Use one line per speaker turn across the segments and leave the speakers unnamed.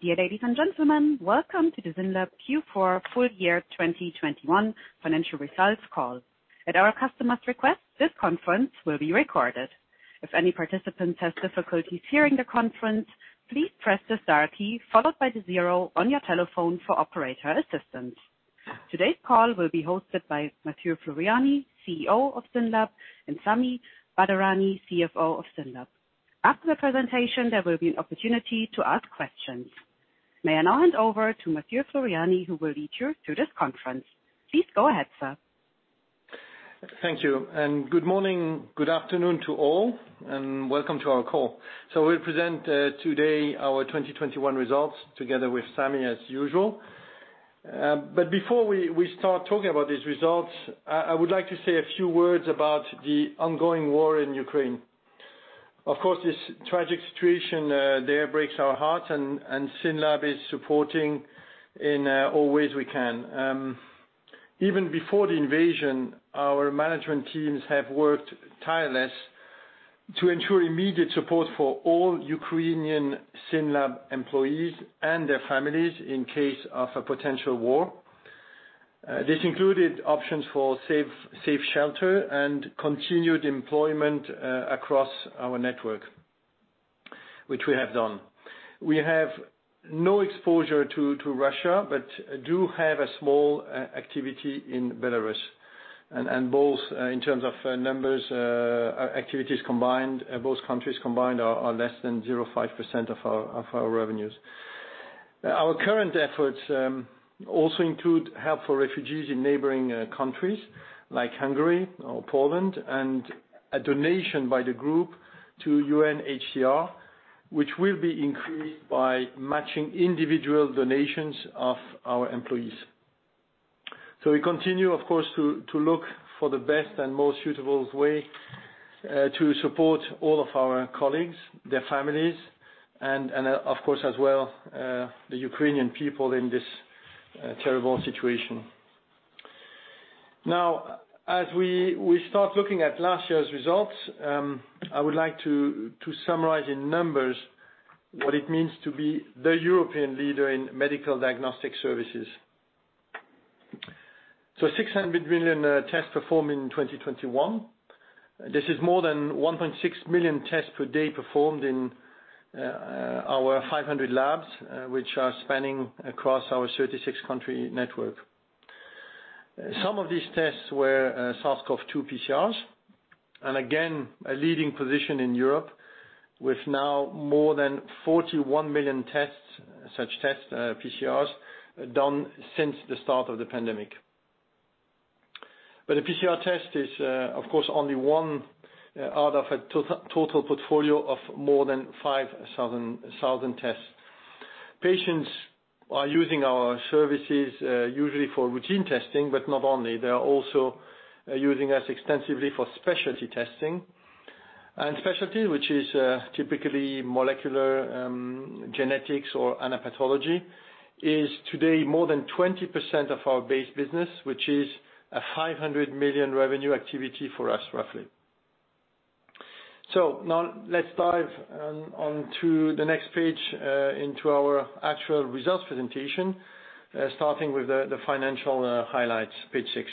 Dear ladies and gentlemen, welcome to the SYNLAB Q4 full year 2021 financial results call. At our customer's request, this conference will be recorded. If any participant has difficulties hearing the conference, please press the star key followed by the zero on your telephone for operator assistance. Today's call will be hosted by Mathieu Floreani, CEO of SYNLAB, and Sami Badarani, CFO of SYNLAB. After the presentation, there will be an opportunity to ask questions. May I now hand over to Mathieu Floreani, who will lead you through this conference. Please go ahead, sir.
Thank you and good morning, good afternoon to all, and welcome to our call. We'll present today our 2021 results together with Sami, as usual. Before we start talking about these results, I would like to say a few words about the ongoing war in Ukraine. Of course, this tragic situation there breaks our hearts and SYNLAB is supporting in all ways we can. Even before the invasion, our management teams have worked tirelessly to ensure immediate support for all Ukrainian SYNLAB employees and their families in case of a potential war. This included options for safe shelter and continued employment across our network, which we have done. We have no exposure to Russia, but do have a small activity in Belarus. Both countries combined are less than 0.5% of our revenues. Our current efforts also include help for refugees in neighboring countries like Hungary or Poland, and a donation by the group to UNHCR, which will be increased by matching individual donations of our employees. We continue, of course, to look for the best and most suitable way to support all of our colleagues, their families and of course, as well, the Ukrainian people in this terrible situation. Now, as we start looking at last year's results, I would like to summarize in numbers what it means to be the European leader in medical diagnostic services. 600 million tests performed in 2021. This is more than 1.6 million tests per day performed in our 500 labs, which are spanning across our 36-country network. Some of these tests were SARS-CoV-2 PCRs, and again, a leading position in Europe, with now more than 41 million tests, such tests, PCRs, done since the start of the pandemic. A PCR test is, of course, only one out of a total portfolio of more than 5,000 tests. Patients are using our services, usually for routine testing, but not only. They are also using us extensively for specialty testing. Specialty, which is typically molecular genetics or anatomical pathology, is today more than 20% of our base business, which is a 500 million revenue activity for us roughly. Now let's dive onto the next page into our actual results presentation starting with the financial highlights, page six.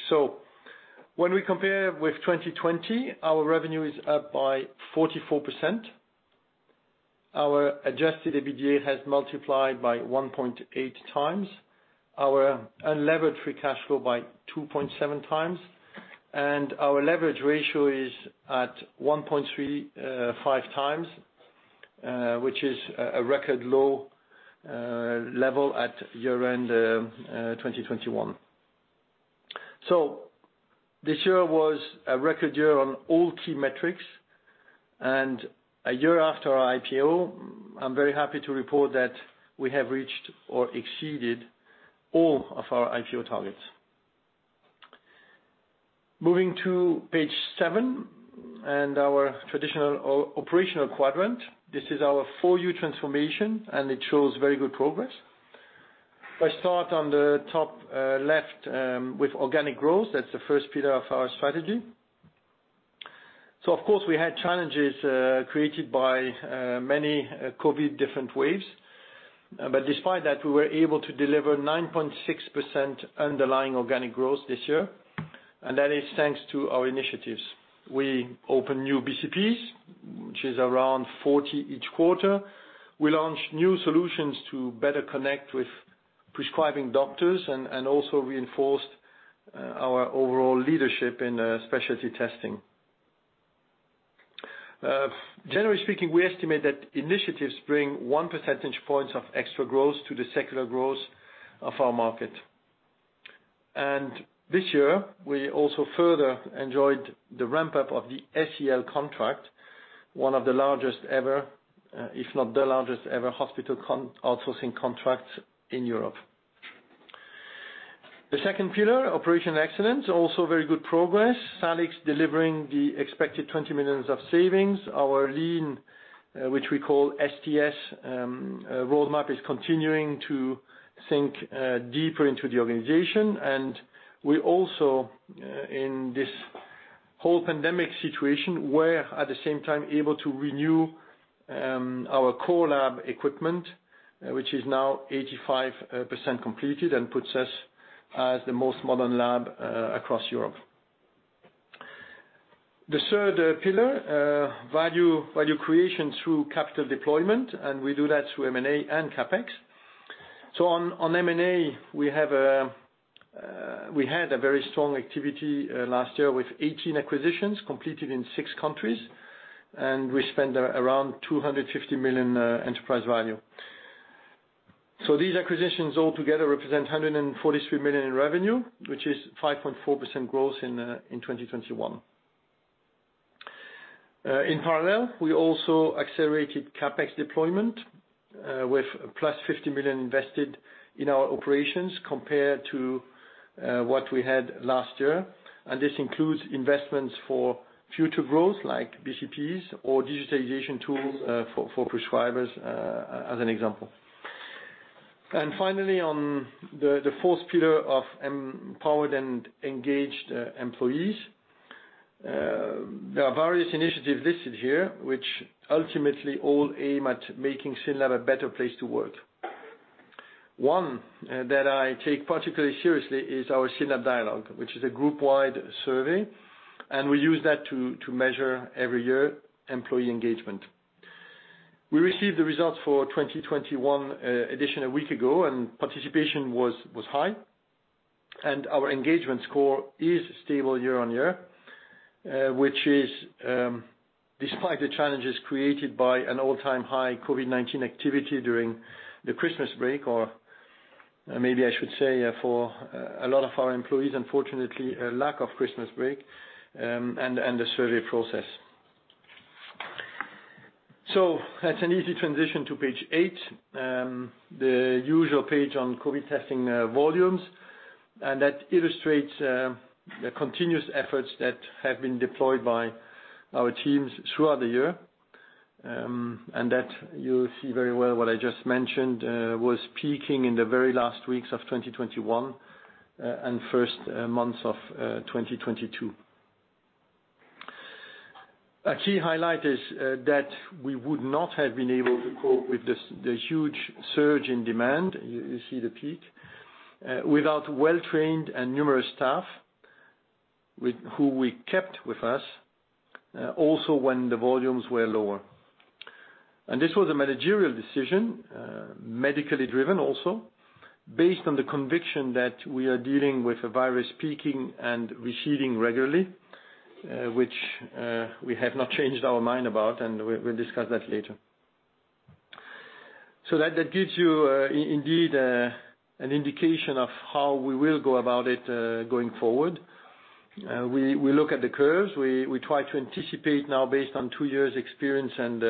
When we compare with 2020, our revenue is up by 44%. Our adjusted EBITDA has multiplied by 1.8x, our unlevered free cash flow by 2.7x, and our leverage ratio is at 1.35x, which is a record low level at year-end 2021. This year was a record year on all key metrics, and a year after our IPO, I'm very happy to report that we have reached or exceeded all of our IPO targets. Moving to page seven and our traditional operational quadrant. This is our 4U transformation, and it shows very good progress. If I start on the top left with organic growth. That's the first pillar of our strategy. Of course, we had challenges created by many COVID different waves. Despite that, we were able to deliver 9.6% underlying organic growth this year. That is thanks to our initiatives. We open new BCPs, which is around 40 each quarter. We launched new solutions to better connect with prescribing doctors and also reinforced our overall leadership in specialty testing. Generally speaking, we estimate that initiatives bring one percentage point of extra growth to the secular growth of our market. This year, we also further enjoyed the ramp-up of the SEL contract, one of the largest ever, if not the largest ever hospital outsourcing contracts in Europe. The second pillar, operational excellence, also very good progress. SALIX delivering the expected 20 million of savings. Our lean, which we call STS, roadmap is continuing to sink in deeper into the organization. We also in this whole pandemic situation were at the same time able to renew our core lab equipment, which is now 85% completed and puts us as the most modern lab across Europe. The third pillar, value creation through capital deployment, and we do that through M&A and CapEx. On M&A, we had a very strong activity last year with 18 acquisitions completed in six countries, and we spent around 250 million enterprise value. These acquisitions all together represent 143 million in revenue, which is 5.4% growth in 2021. In parallel, we also accelerated CapEx deployment with +50 million invested in our operations compared to what we had last year. This includes investments for future growth like BCPs or digitization tools for prescribers, as an example. Finally, on the fourth pillar of empowered and engaged employees, there are various initiatives listed here which ultimately all aim at making SYNLAB a better place to work. One that I take particularly seriously is our SYNLAB Dialogue, which is a group-wide survey, and we use that to measure every year employee engagement. We received the results for 2021 edition a week ago, and participation was high. Our engagement score is stable year-on-year, which is, despite the challenges created by an all-time high COVID-19 activity during the Christmas break. Maybe I should say for a lot of our employees, unfortunately, a lack of Christmas break, and the survey process. That's an easy transition to page eight, the usual page on COVID testing volumes. That illustrates the continuous efforts that have been deployed by our teams throughout the year that you see very well what I just mentioned was peaking in the very last weeks of 2021 and first months of 2022. A key highlight is that we would not have been able to cope with this huge surge in demand, you see the peak, without well-trained and numerous staff who we kept with us, also when the volumes were lower. This was a managerial decision, medically driven also, based on the conviction that we are dealing with a virus peaking and receding regularly, which we have not changed our mind about, and we'll discuss that later. That gives you indeed an indication of how we will go about it going forward. We look at the curves. We try to anticipate now based on two years experience and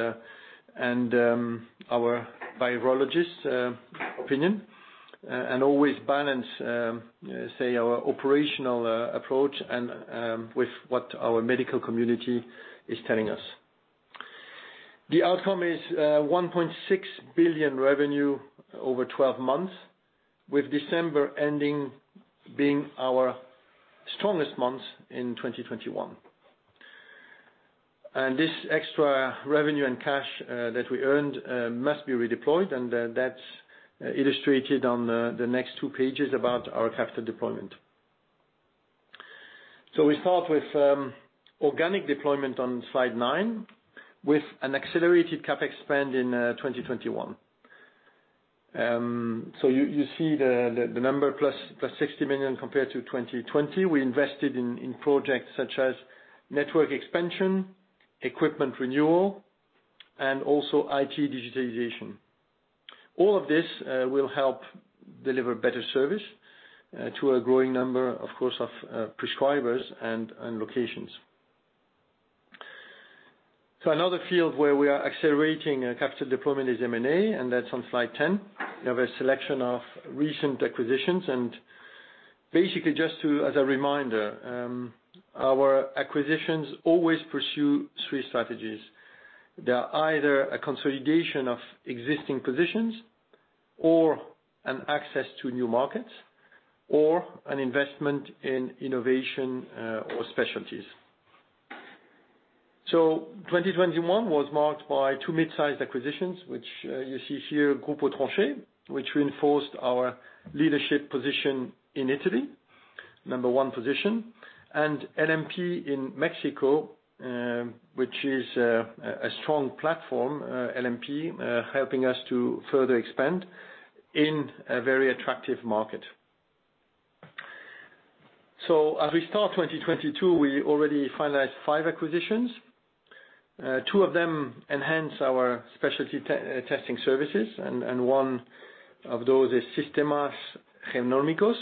our virologist's opinion and always balance say our operational approach and with what our medical community is telling us. The outcome is 1.6 billion revenue over 12 months, with December ending being our strongest month in 2021. This extra revenue and cash that we earned must be redeployed, and that's illustrated on the next two pages about our capital deployment. We start with organic deployment on slide nine with an accelerated CapEx spend in 2021. You see the number +60 million compared to 2020. We invested in projects such as network expansion, equipment renewal, and also IT digitalization. All of this will help deliver better service to a growing number, of course, of prescribers and locations. Another field where we are accelerating capital deployment is M&A, and that's on slide 10. We have a selection of recent acquisitions. Basically, just to, as a reminder, our acquisitions always pursue three strategies. They are either a consolidation of existing positions or an access to new markets or an investment in innovation, or specialties. 2021 was marked by two mid-sized acquisitions, which you see here, Gruppo Tronchet, which reinforced our leadership position in Italy, number-one position. LMP in Mexico, which is a strong platform, LMP, helping us to further expand in a very attractive market. As we start 2022, we already finalized 5 acquisitions. Two of them enhance our specialty testing services, and one of those is Sistemas Genómicos,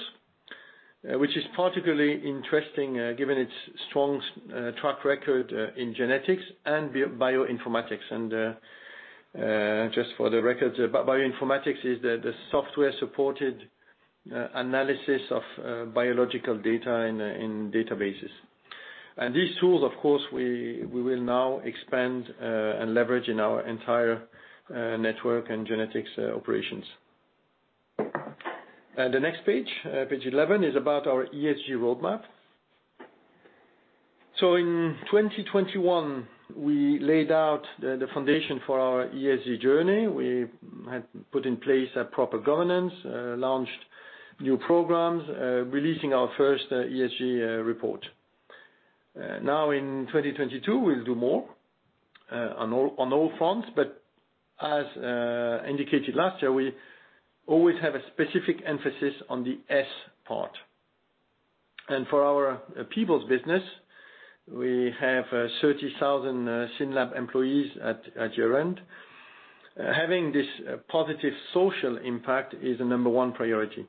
which is particularly interesting, given its strong track record in genetics and bioinformatics. Just for the record, bioinformatics is the software-supported analysis of biological data in databases. These tools, of course, we will now expand and leverage in our entire network and genetics operations. The next page 11, is about our ESG roadmap. In 2021, we laid out the foundation for our ESG journey. We had put in place a proper governance, launched new programs, releasing our first ESG report. Now in 2022, we'll do more on all fronts, but as indicated last year, we always have a specific emphasis on the S part. For our people's business, we have 30,000 SYNLAB employees at year-end. Having this positive social impact is a number one priority.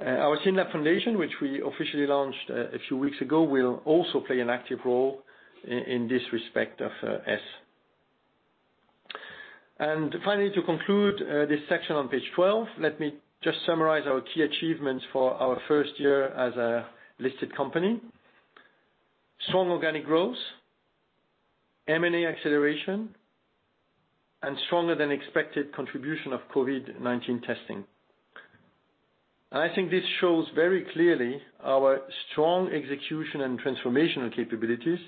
Our SYNLAB Foundation, which we officially launched a few weeks ago, will also play an active role in this respect of S. Finally, to conclude, this section on page 12, let me just summarize our key achievements for our first year as a listed company. Strong organic growth, M&A acceleration, and stronger than expected contribution of COVID-19 testing. I think this shows very clearly our strong execution and transformational capabilities,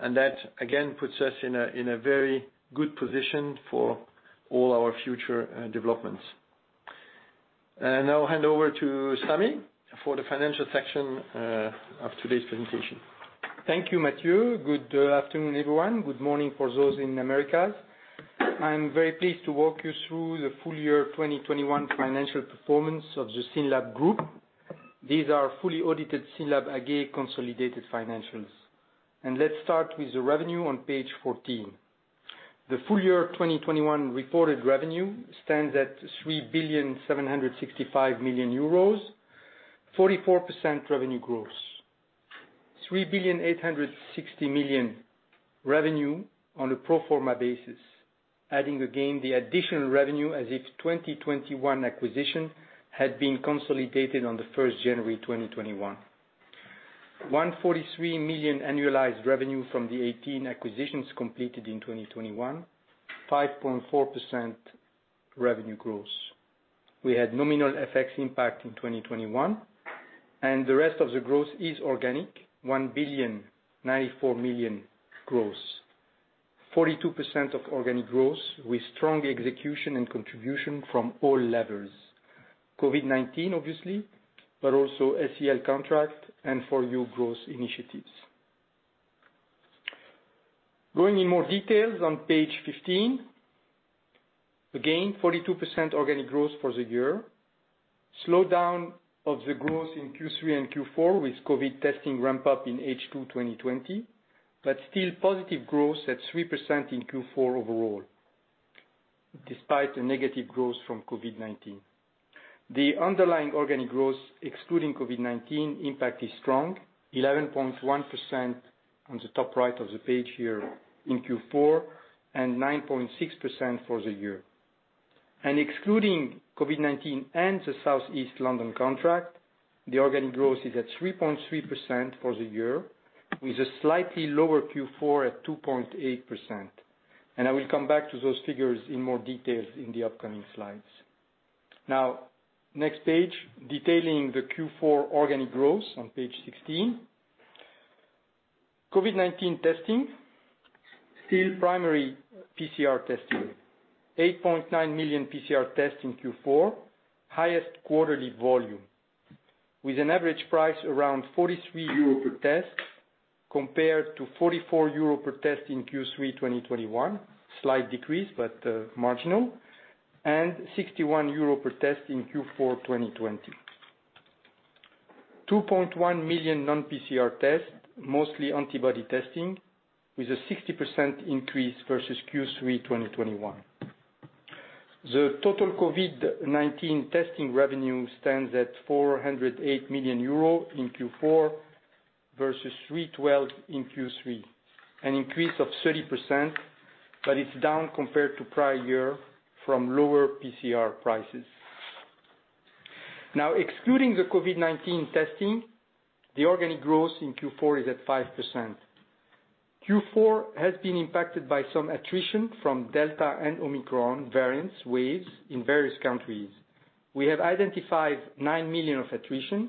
and that, again, puts us in a very good position for all our future developments. I'll hand over to Sami for the financial section of today's presentation.
Thank you, Mathieu. Good afternoon, everyone. Good morning for those in Americas. I'm very pleased to walk you through the full year 2021 financial performance of the SYNLAB group. These are fully audited SYNLAB AG consolidated financials. Let's start with the revenue on page 14. The full year 2021 reported revenue stands at 3,765 million euros, 44% revenue growth. 3,860 million revenue on a pro forma basis, adding again the additional revenue as if 2021 acquisition had been consolidated on 1 January 2021. 143 million annualized revenue from the 18 acquisitions completed in 2021, 5.4% revenue growth. We had nominal FX impact in 2021, and the rest of the growth is organic, 1,094 million growth. 42% of organic growth with strong execution and contribution from all levels. COVID-19 obviously, but also SEL contract and FOR YOU growth initiatives. Going into more details on page 15. Again, 42% organic growth for the year. Slowdown of the growth in Q3 and Q4 with COVID testing ramp up in H2 2020, but still positive growth at 3% in Q4 overall, despite the negative growth from COVID-19. The underlying organic growth, excluding COVID-19 impact, is strong, 11.1% on the top right of the page here in Q4 and 9.6% for the year. Excluding COVID-19 and the South East London contract, the organic growth is at 3.3% for the year, with a slightly lower Q4 at 2.8%. I will come back to those figures in more details in the upcoming slides. Now, next page, detailing the Q4 organic growth on page 16. COVID-19 testing, still primary PCR testing. 8.9 million PCR tests in Q4, highest quarterly volume, with an average price around 43 euro per test, compared to 44 euro per test in Q3 2021. Slight decrease, but marginal. 61 euro per test in Q4 2020. 2.1 million non-PCR tests, mostly antibody testing, with a 60% increase versus Q3 2021. The total COVID-19 testing revenue stands at 408 million euro in Q4, versus 312 million in Q3, an increase of 30%, but it's down compared to prior year from lower PCR prices. Now, excluding the COVID-19 testing, the organic growth in Q4 is at 5%. Q4 has been impacted by some attrition from Delta and Omicron variants waves in various countries. We have identified 9 million of attrition.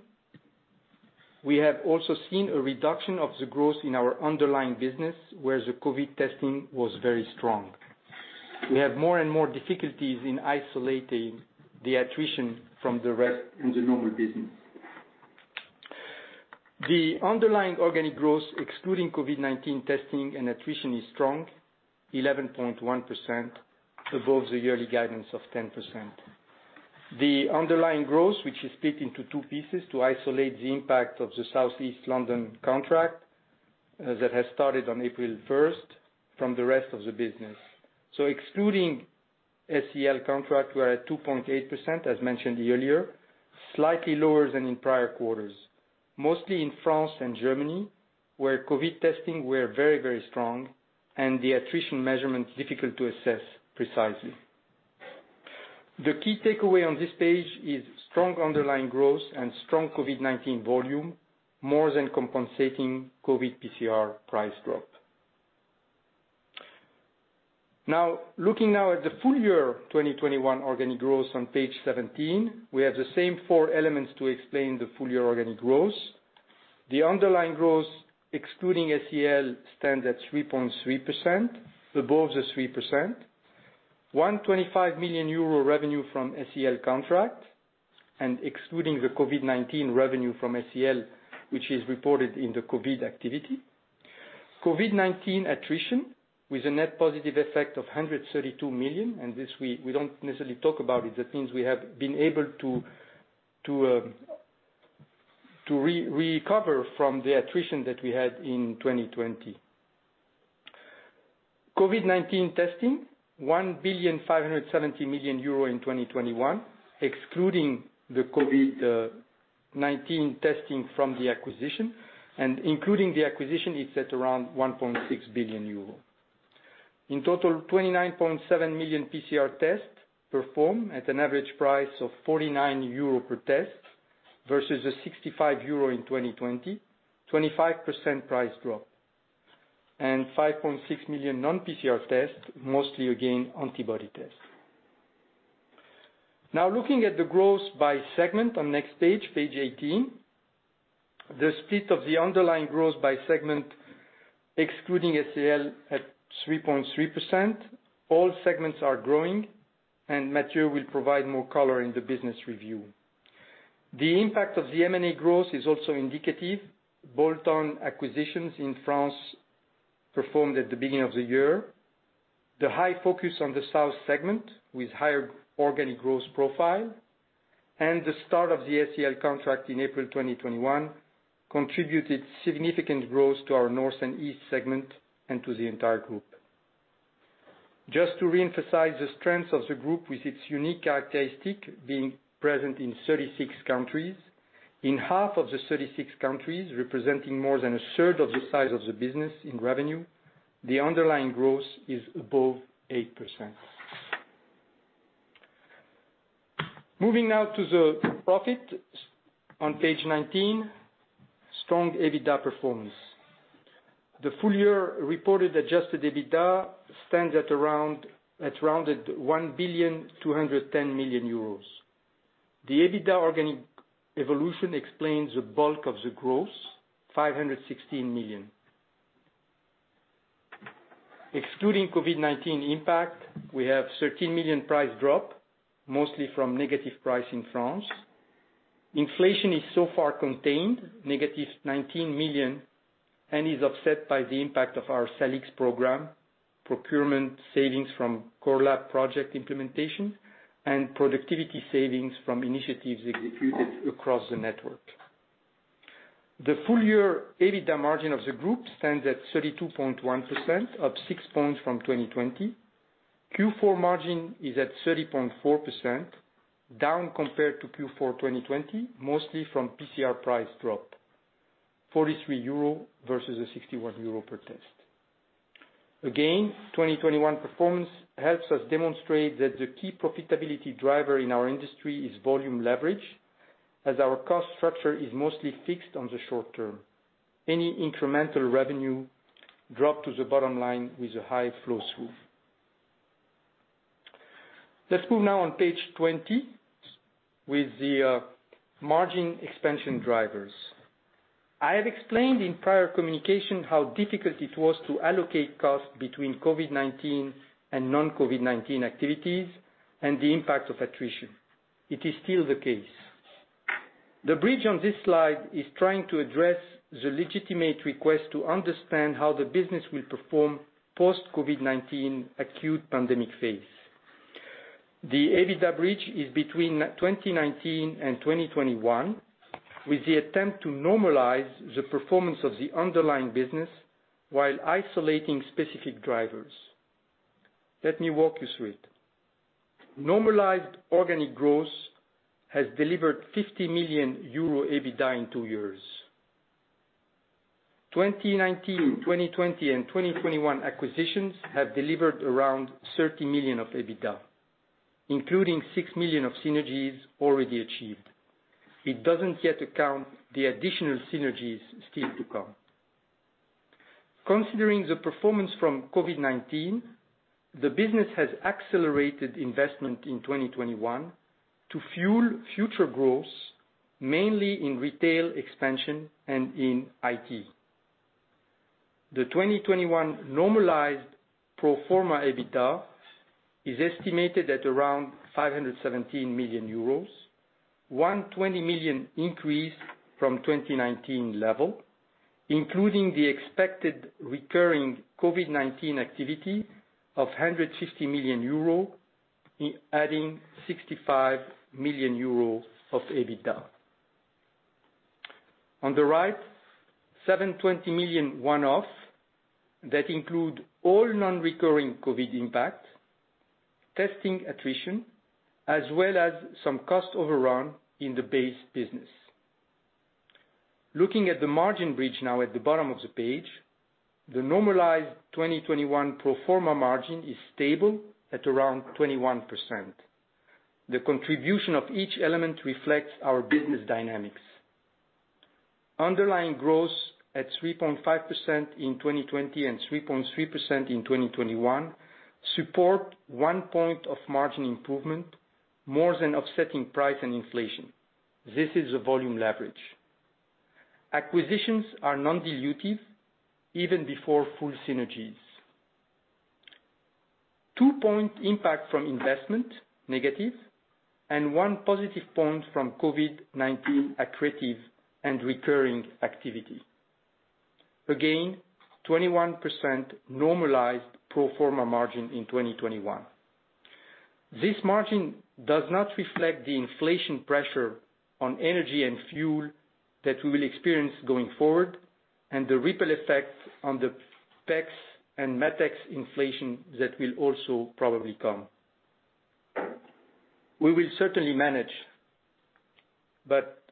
We have also seen a reduction of the growth in our underlying business, where the COVID testing was very strong. We have more and more difficulties in isolating the attrition from the rest in the normal business. The underlying organic growth, excluding COVID-19 testing and attrition, is strong, 11.1% above the yearly guidance of 10%. The underlying growth, which is split into two pieces to isolate the impact of the South East London contract that has started on April first from the rest of the business. Excluding SEL contract, we're at 2.8%, as mentioned earlier, slightly lower than in prior quarters. Mostly in France and Germany, where COVID testing were very, very strong and the attrition measurement difficult to assess precisely. The key takeaway on this page is strong underlying growth and strong COVID-19 volume, more than compensating COVID PCR price drop. Now, looking at the full year 2021 organic growth on page 17, we have the same four elements to explain the full year organic growth. The underlying growth, excluding SEL, stands at 3.3%, above the 3%. 125 million euro revenue from SEL contract and excluding the COVID-19 revenue from SEL, which is reported in the COVID activity. COVID-19 attrition with a net positive effect of 132 million, and this we don't necessarily talk about it. That means we have been able to recover from the attrition that we had in 2020. COVID-19 testing, 1.57 billion euro in 2021, excluding the COVID-19 testing from the acquisition. Including the acquisition, it's at around 1.6 billion euros. In total, 29.7 million PCR tests performed at an average price of 49 euro per test versus 65 euro in 2020, 25% price drop, and 5.6 million non-PCR tests, mostly again, antibody tests. Now looking at the growth by segment on next page 18. The split of the underlying growth by segment, excluding SEL at 3.3%. All segments are growing, and Mathieu will provide more color in the business review. The impact of the M&A growth is also indicative. Bolton acquisitions in France performed at the beginning of the year. The high focus on the south segment with higher organic growth profile and the start of the SEL contract in April 2021 contributed significant growth to our north and east segment and to the entire group. Just to re-emphasize the strength of the group with its unique characteristic being present in 36 countries. In half of the 36 countries, representing more than a third of the size of the business in revenue, the underlying growth is above 8%. Moving now to the profit on page 19. Strong EBITDA performance. The full year reported adjusted EBITDA stands at rounded 1.21 billion. The EBITDA organic evolution explains the bulk of the growth, 516 million. Excluding COVID-19 impact, we have 13 million price drop, mostly from negative price in France. Inflation is so far contained, -19 million, and is offset by the impact of our SALIX program, procurement savings from core lab project implementation, and productivity savings from initiatives executed across the network. The full year EBITDA margin of the group stands at 32.1%, up 6 points from 2020. Q4 margin is at 30.4%, down compared to Q4 2020, mostly from PCR price drop, 43 euro versus 61 euro per test. Again, 2021 performance helps us demonstrate that the key profitability driver in our industry is volume leverage, as our cost structure is mostly fixed on the short term. Any incremental revenue flows to the bottom line with a high flow-through. Let's move now to page 20 with the margin expansion drivers. I have explained in prior communication how difficult it was to allocate costs between COVID-19 and non-COVID-19 activities and the impact of attrition. It is still the case. The bridge on this slide is trying to address the legitimate request to understand how the business will perform post-COVID-19 acute pandemic phase. The EBITDA bridge is between 2019 and 2021, with the attempt to normalize the performance of the underlying business while isolating specific drivers. Let me walk you through it. Normalized organic growth has delivered 50 million euro EBITDA in two years. 2019, 2020 and 2021 acquisitions have delivered around 30 million of EBITDA, including 6 million of synergies already achieved. It doesn't yet account the additional synergies still to come. Considering the performance from COVID-19, the business has accelerated investment in 2021 to fuel future growth, mainly in retail expansion and in IT. The 2021 normalized pro forma EBITDA is estimated at around 517 million euros, 120 million increase from 2019 level, including the expected recurring COVID-19 activity of 150 million euro, adding 65 million euro of EBITDA. On the right, 720 million one-off that include all non-recurring COVID impact, testing attrition, as well as some cost overrun in the base business. Looking at the margin bridge now at the bottom of the page, the normalized 2021 pro forma margin is stable at around 21%. The contribution of each element reflects our business dynamics. Underlying growth at 3.5% in 2020 and 3.3% in 2021 support 1 point of margin improvement more than offsetting price and inflation. This is a volume leverage. Acquisitions are non-dilutive even before full synergies. Two-point impact from investment negative and one positive point from COVID-19 accretive and recurring activity. Again, 21% normalized pro forma margin in 2021. This margin does not reflect the inflation pressure on energy and fuel that we will experience going forward and the ripple effect on the costs and material costs inflation that will also probably come. We will certainly manage, but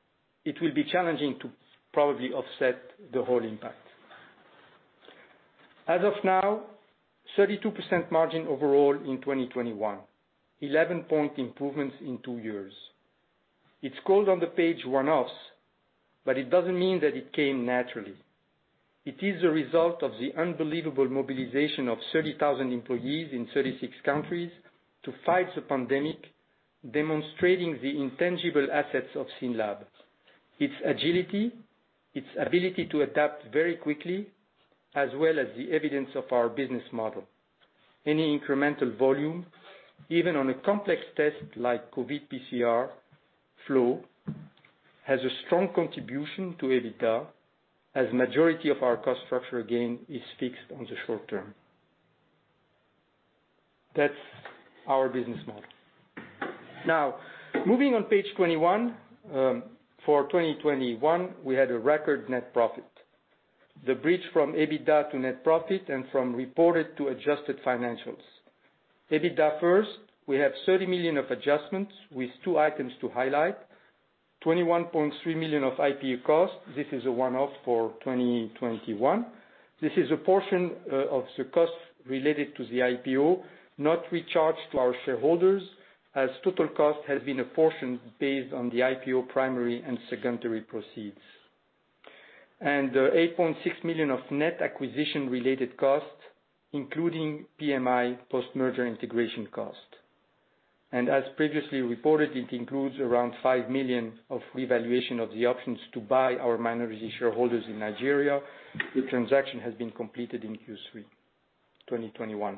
it will be challenging to probably offset the whole impact. As of now, 32% margin overall in 2021, 11-point improvements in two years. It's called on the page one-offs, but it doesn't mean that it came naturally. It is a result of the unbelievable mobilization of 30,000 employees in 36 countries to fight the pandemic, demonstrating the intangible assets of SYNLAB. Its agility, its ability to adapt very quickly, as well as the evidence of our business model. Any incremental volume, even on a complex test like COVID PCR flow, has a strong contribution to EBITDA as majority of our cost structure, again, is fixed on the short term. That's our business model. Now, moving on page 21. For 2021, we had a record net profit. The bridge from EBITDA to net profit and from reported to adjusted financials. EBITDA first, we have 30 million of adjustments with two items to highlight. 21.3 million of IPO costs. This is a one-off for 2021. This is a portion of the costs related to the IPO, not recharged to our shareholders, as total cost has been a portion based on the IPO primary and secondary proceeds. 8.6 million of net acquisition-related costs, including PMI post-merger integration cost. As previously reported, it includes around 5 million of revaluation of the options to buy our minority shareholders in Nigeria. The transaction has been completed in Q3 2021.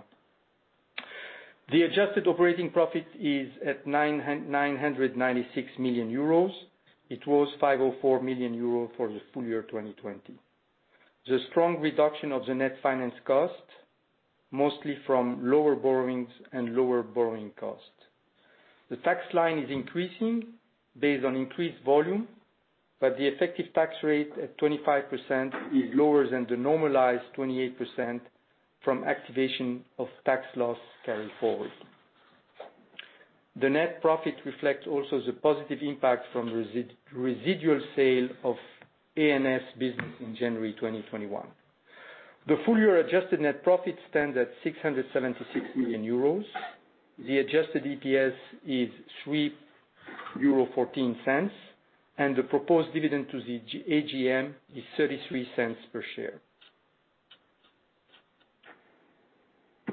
The adjusted operating profit is at 996 million euros. It was 5.4 million euros for the full year 2020. The strong reduction of the net finance cost, mostly from lower borrowings and lower borrowing costs. The tax line is increasing based on increased volume, but the effective tax rate at 25% is lower than the normalized 28% from activation of tax loss carry forward. The net profit reflects also the positive impact from residual sale of ANS business in January 2021. The full year adjusted net profit stands at 676 million euros. The adjusted EPS is 3.14 euro, and the proposed dividend to the AGM is 0.33 per share.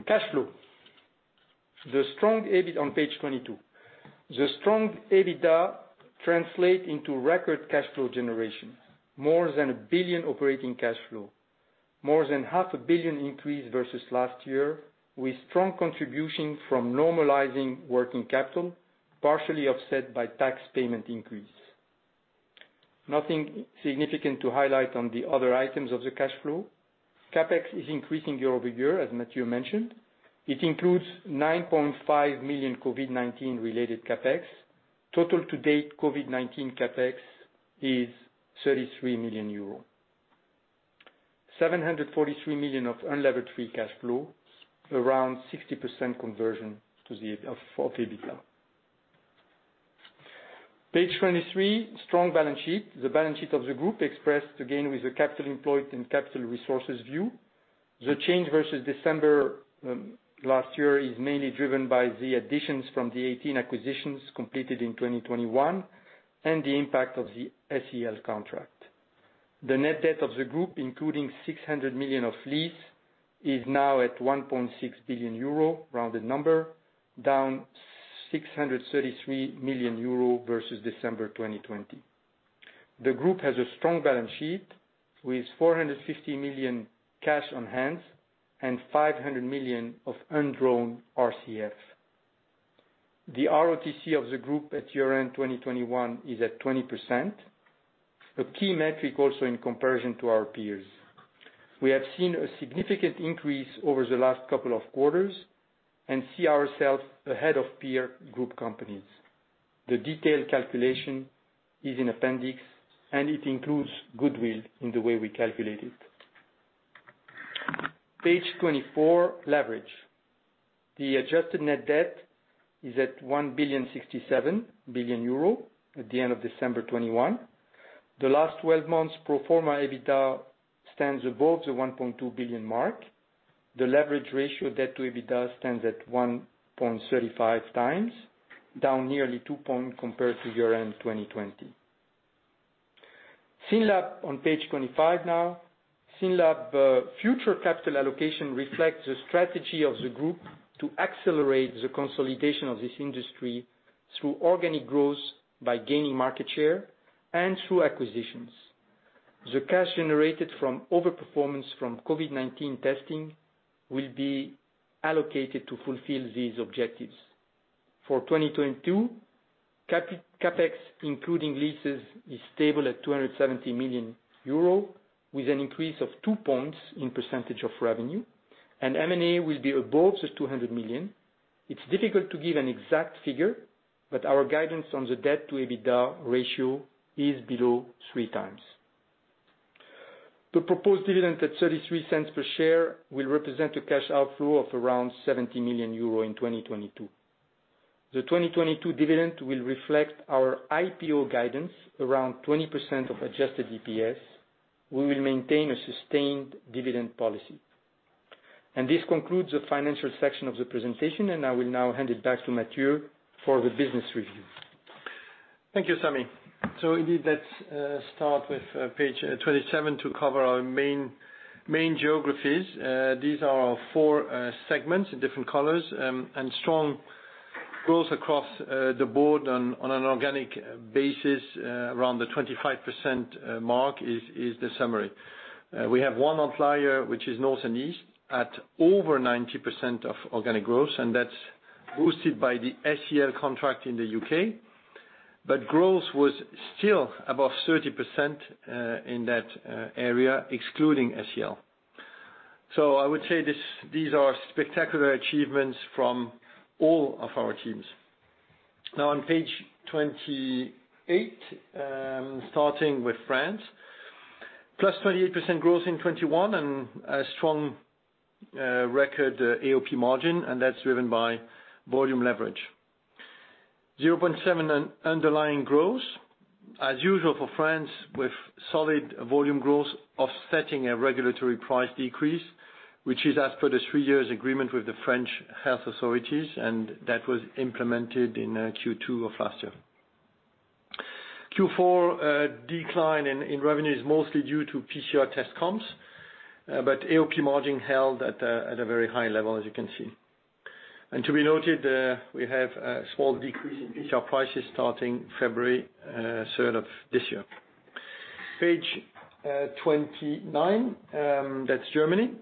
Cash flow. The strong EBIT on page 22. The strong EBITDA translates into record cash flow generation, more than 1 billion operating cash flow, more than half a billion EUR increase versus last year, with strong contribution from normalizing working capital, partially offset by tax payment increase. Nothing significant to highlight on the other items of the cash flow. CapEx is increasing year-over-year, as Mathieu mentioned. It includes 9.5 million COVID-19 related CapEx. Total to date COVID-19 CapEx is 33 million euro. 743 million of unlevered free cash flow, around 60% conversion of EBITDA. Page 23, strong balance sheet. The balance sheet of the group expressed again with the capital employed and capital resources view. The change versus December last year is mainly driven by the additions from the 18 acquisitions completed in 2021 and the impact of the SEL contract. The net debt of the group, including 600 million of lease, is now at 1.6 billion euro, rounded number, down 633 million euro versus December 2020. The group has a strong balance sheet with 450 million cash on hand and 500 million of undrawn RCF. The ROTC of the group at year-end 2021 is at 20%, a key metric also in comparison to our peers. We have seen a significant increase over the last couple of quarters and see ourselves ahead of peer group companies. The detailed calculation is in appendix, and it includes goodwill in the way we calculate it. Page 24, leverage. The adjusted net debt is 1.067 billion euro at the end of December 2021. The last 12 months pro forma EBITDA stands above the 1.2 billion mark. The leverage ratio debt to EBITDA stands at 1.35x, down nearly 2x compared to year-end 2020. SYNLAB on page 25 now. SYNLAB future capital allocation reflects the strategy of the group to accelerate the consolidation of this industry through organic growth by gaining market share and through acquisitions. The cash generated from over-performance from COVID-19 testing will be allocated to fulfill these objectives. For 2022, CapEx, including leases, is stable at 270 million euro, with an increase of 2 percentage points of revenue, and M&A will be above 200 million. It's difficult to give an exact figure, but our guidance on the debt to EBITDA ratio is below 3x. The proposed dividend at 0.33 per share will represent a cash outflow of around 70 million euro in 2022. The 2022 dividend will reflect our IPO guidance around 20% of adjusted DPS. We will maintain a sustained dividend policy. This concludes the financial section of the presentation, and I will now hand it back to Mathieu for the business review.
Thank you, Sami. Indeed, let's start with page 27 to cover our main geographies. These are our four segments in different colors, and strong growth across the board on an organic basis, around the 25% mark is the summary. We have one outlier, which is North and East, at over 90% of organic growth, and that's boosted by the SEL contract in the U.K. Growth was still above 30% in that area, excluding SEL. I would say these are spectacular achievements from all of our teams. Now on page 28, starting with France. Plus 28% growth in 2021 and a strong record AOP margin, and that's driven by volume leverage. 0.7 in underlying growth. As usual for France, with solid volume growth offsetting a regulatory price decrease, which is as per the three years agreement with the French health authorities, and that was implemented in Q2 of last year. Q4 decline in revenue is mostly due to PCR test comps, but AOP margin held at a very high level, as you can see. To be noted, we have a small decrease in PCR prices starting February third of this year. Page 29, that's Germany.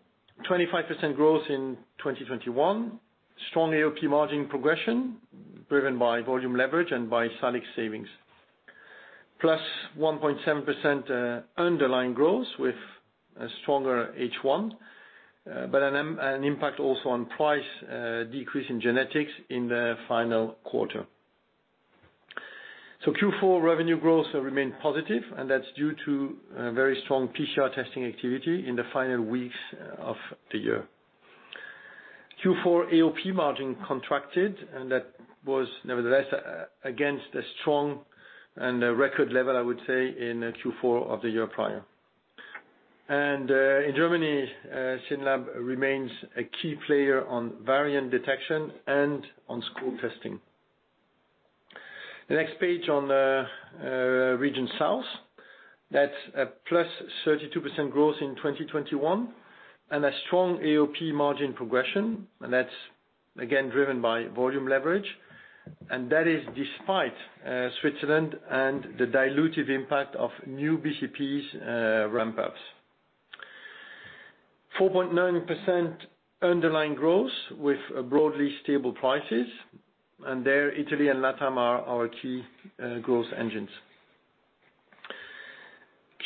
25% growth in 2021. Strong AOP margin progression driven by volume leverage and by SALIX savings. Plus 1.7% underlying growth with a stronger H1, but an impact also on price decrease in genetics in the final quarter. Q4 revenue growth remained positive, and that's due to very strong PCR testing activity in the final weeks of the year. Q4 AOP margin contracted, and that was nevertheless against the strong and the record level, I would say, in Q4 of the year prior. In Germany, SYNLAB remains a key player on variant detection and on school testing. The next page on region South. That's a +32% growth in 2021, and a strong AOP margin progression. That's again driven by volume leverage. That is despite Switzerland and the dilutive impact of new BCPs ramp-ups. 4.9% underlying growth with broadly stable prices. There, Italy and LatAm are our key growth engines.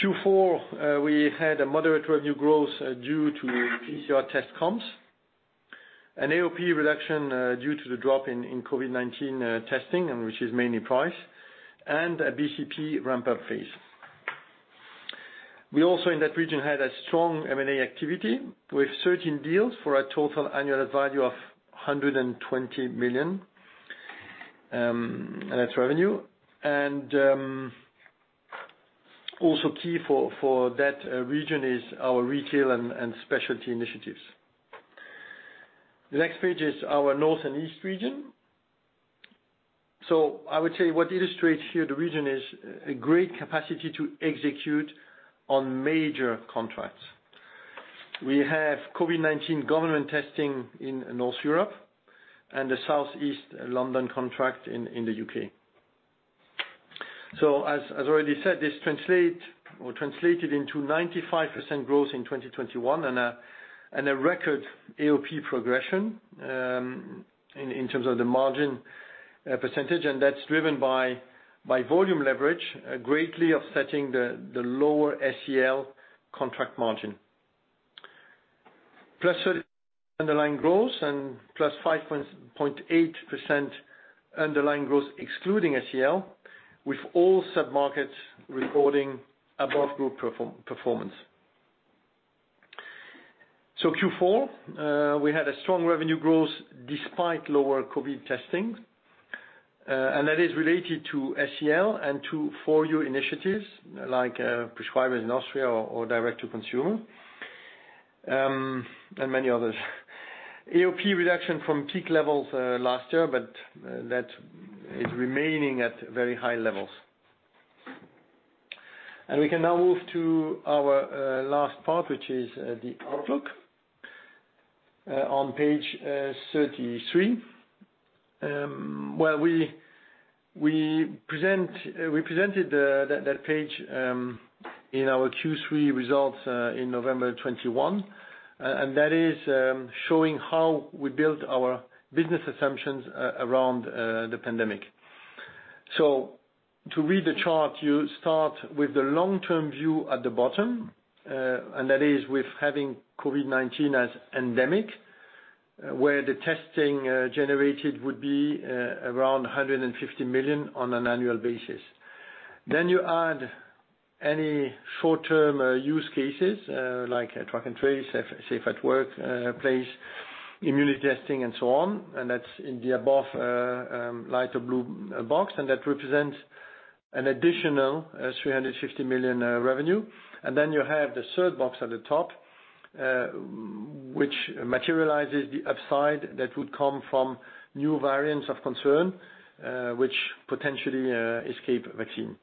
Q4, we had a moderate revenue growth due to PCR test comps. An AOP reduction due to the drop in COVID-19 testing, and which is mainly price, and a BCP ramp-up phase. We also, in that region, had a strong M&A activity with 13 deals for a total annual value of 120 million net revenue. also key for that region is our retail and specialty initiatives. The next page is our North and East region. I would say what illustrates here the region is a great capacity to execute on major contracts. We have COVID-19 government testing in North Europe and the South East London contract in the U.K. Already said, this translated into 95% growth in 2021 and a record AOP progression in terms of the margin percentage, and that's driven by volume leverage greatly offsetting the lower SEL contract margin. Plus underlying growth and plus 5.8% underlying growth excluding SEL, with all sub-markets recording above group performance. Q4, we had a strong revenue growth despite lower COVID testing. That is related to SEL and to four new initiatives, like prescribers in Austria or direct-to-consumer and many others. AOP reduction from peak levels last year, but that is remaining at very high levels. We can now move to our last part, which is the outlook on page 33. We presented that page in our Q3 results in November 2021. That is showing how we built our business assumptions around the pandemic. To read the chart, you start with the long-term view at the bottom, and that is with having COVID-19 as endemic, where the testing generated would be around 150 million on an annual basis. You add any short-term use cases like track and trace, safe at workplace, immunity testing and so on, and that's in the above lighter blue box, and that represents an additional 350 million revenue. Then you have the third box at the top, which materializes the upside that would come from new variants of concern, which potentially escape vaccine.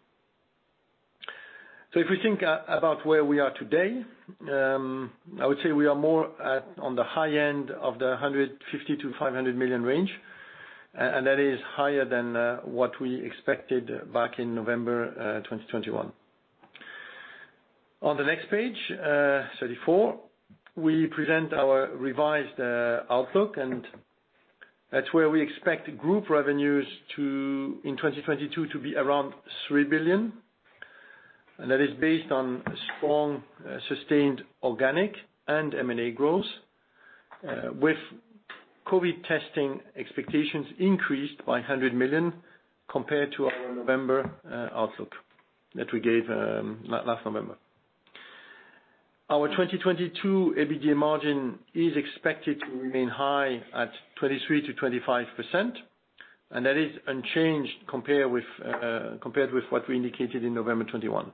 If we think about where we are today, I would say we are more at on the high end of the 150 million-500 million range, and that is higher than what we expected back in November 2021. On the next page, 34, we present our revised outlook and that's where we expect group revenues in 2022 to be around 3 billion. That is based on strong sustained organic and M&A growth, with COVID testing expectations increased by 100 million compared to our November outlook that we gave last November. Our 2022 EBITDA margin is expected to remain high at 23%-25%, and that is unchanged compared with what we indicated in November 2021.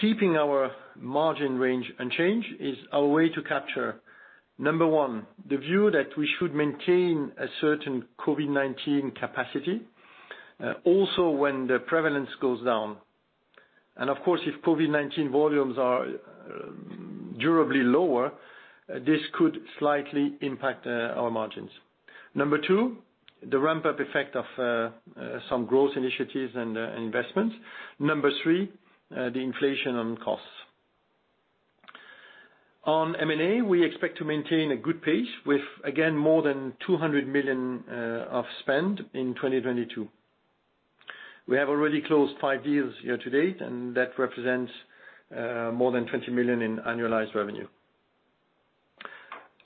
Keeping our margin range unchanged is our way to capture, number one, the view that we should maintain a certain COVID-19 capacity, also when the prevalence goes down. Of course, if COVID-19 volumes are durably lower, this could slightly impact our margins. Number two, the ramp-up effect of some growth initiatives and investments. Number three, the inflation on costs. On M&A, we expect to maintain a good pace with, again, more than 200 million of spend in 2022. We have already closed five deals year to date, and that represents more than 20 million in annualized revenue.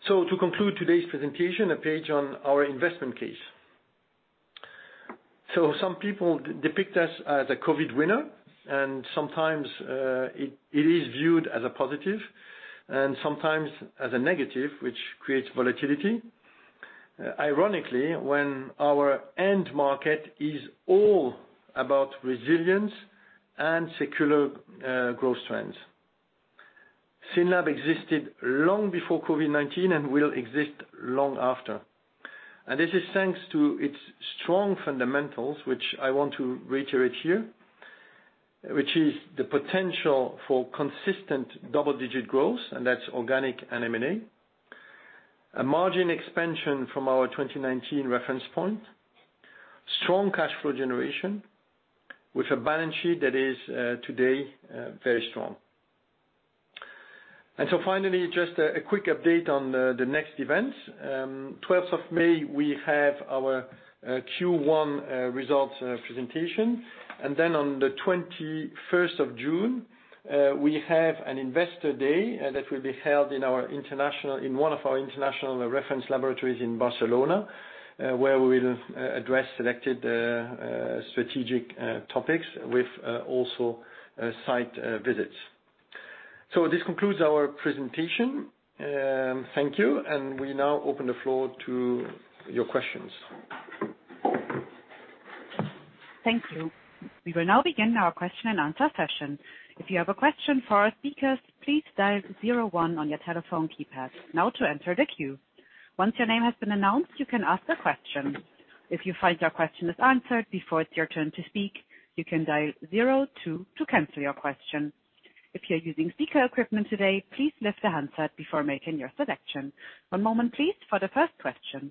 To conclude today's presentation, a page on our investment case. Some people depict us as a COVID winner, and sometimes, it is viewed as a positive and sometimes as a negative, which creates volatility. Ironically, when our end market is all about resilience and secular growth trends. SYNLAB existed long before COVID-19 and will exist long after. This is thanks to its strong fundamentals, which I want to reiterate here, which is the potential for consistent double-digit growth, and that's organic and M&A. A margin expansion from our 2019 reference point. Strong cash flow generation with a balance sheet that is today very strong. Finally, just a quick update on the next events. Twelfth of May, we have our Q1 results presentation. On 21st of June, we have an investor day that will be held in one of our international reference laboratories in Barcelona, where we'll address selected strategic topics with also site visits. This concludes our presentation. Thank you, and we now open the floor to your questions.
Thank you. We will now begin our question and answer session. If you have a question for our speakers, please dial zero one on your telephone keypad now to enter the queue. Once your name has been announced, you can ask the question. If you find your question is answered before it's your turn to speak, you can dial zero two to cancel your question. If you're using speaker equipment today, please lift the handset before making your selection. One moment please for the first question.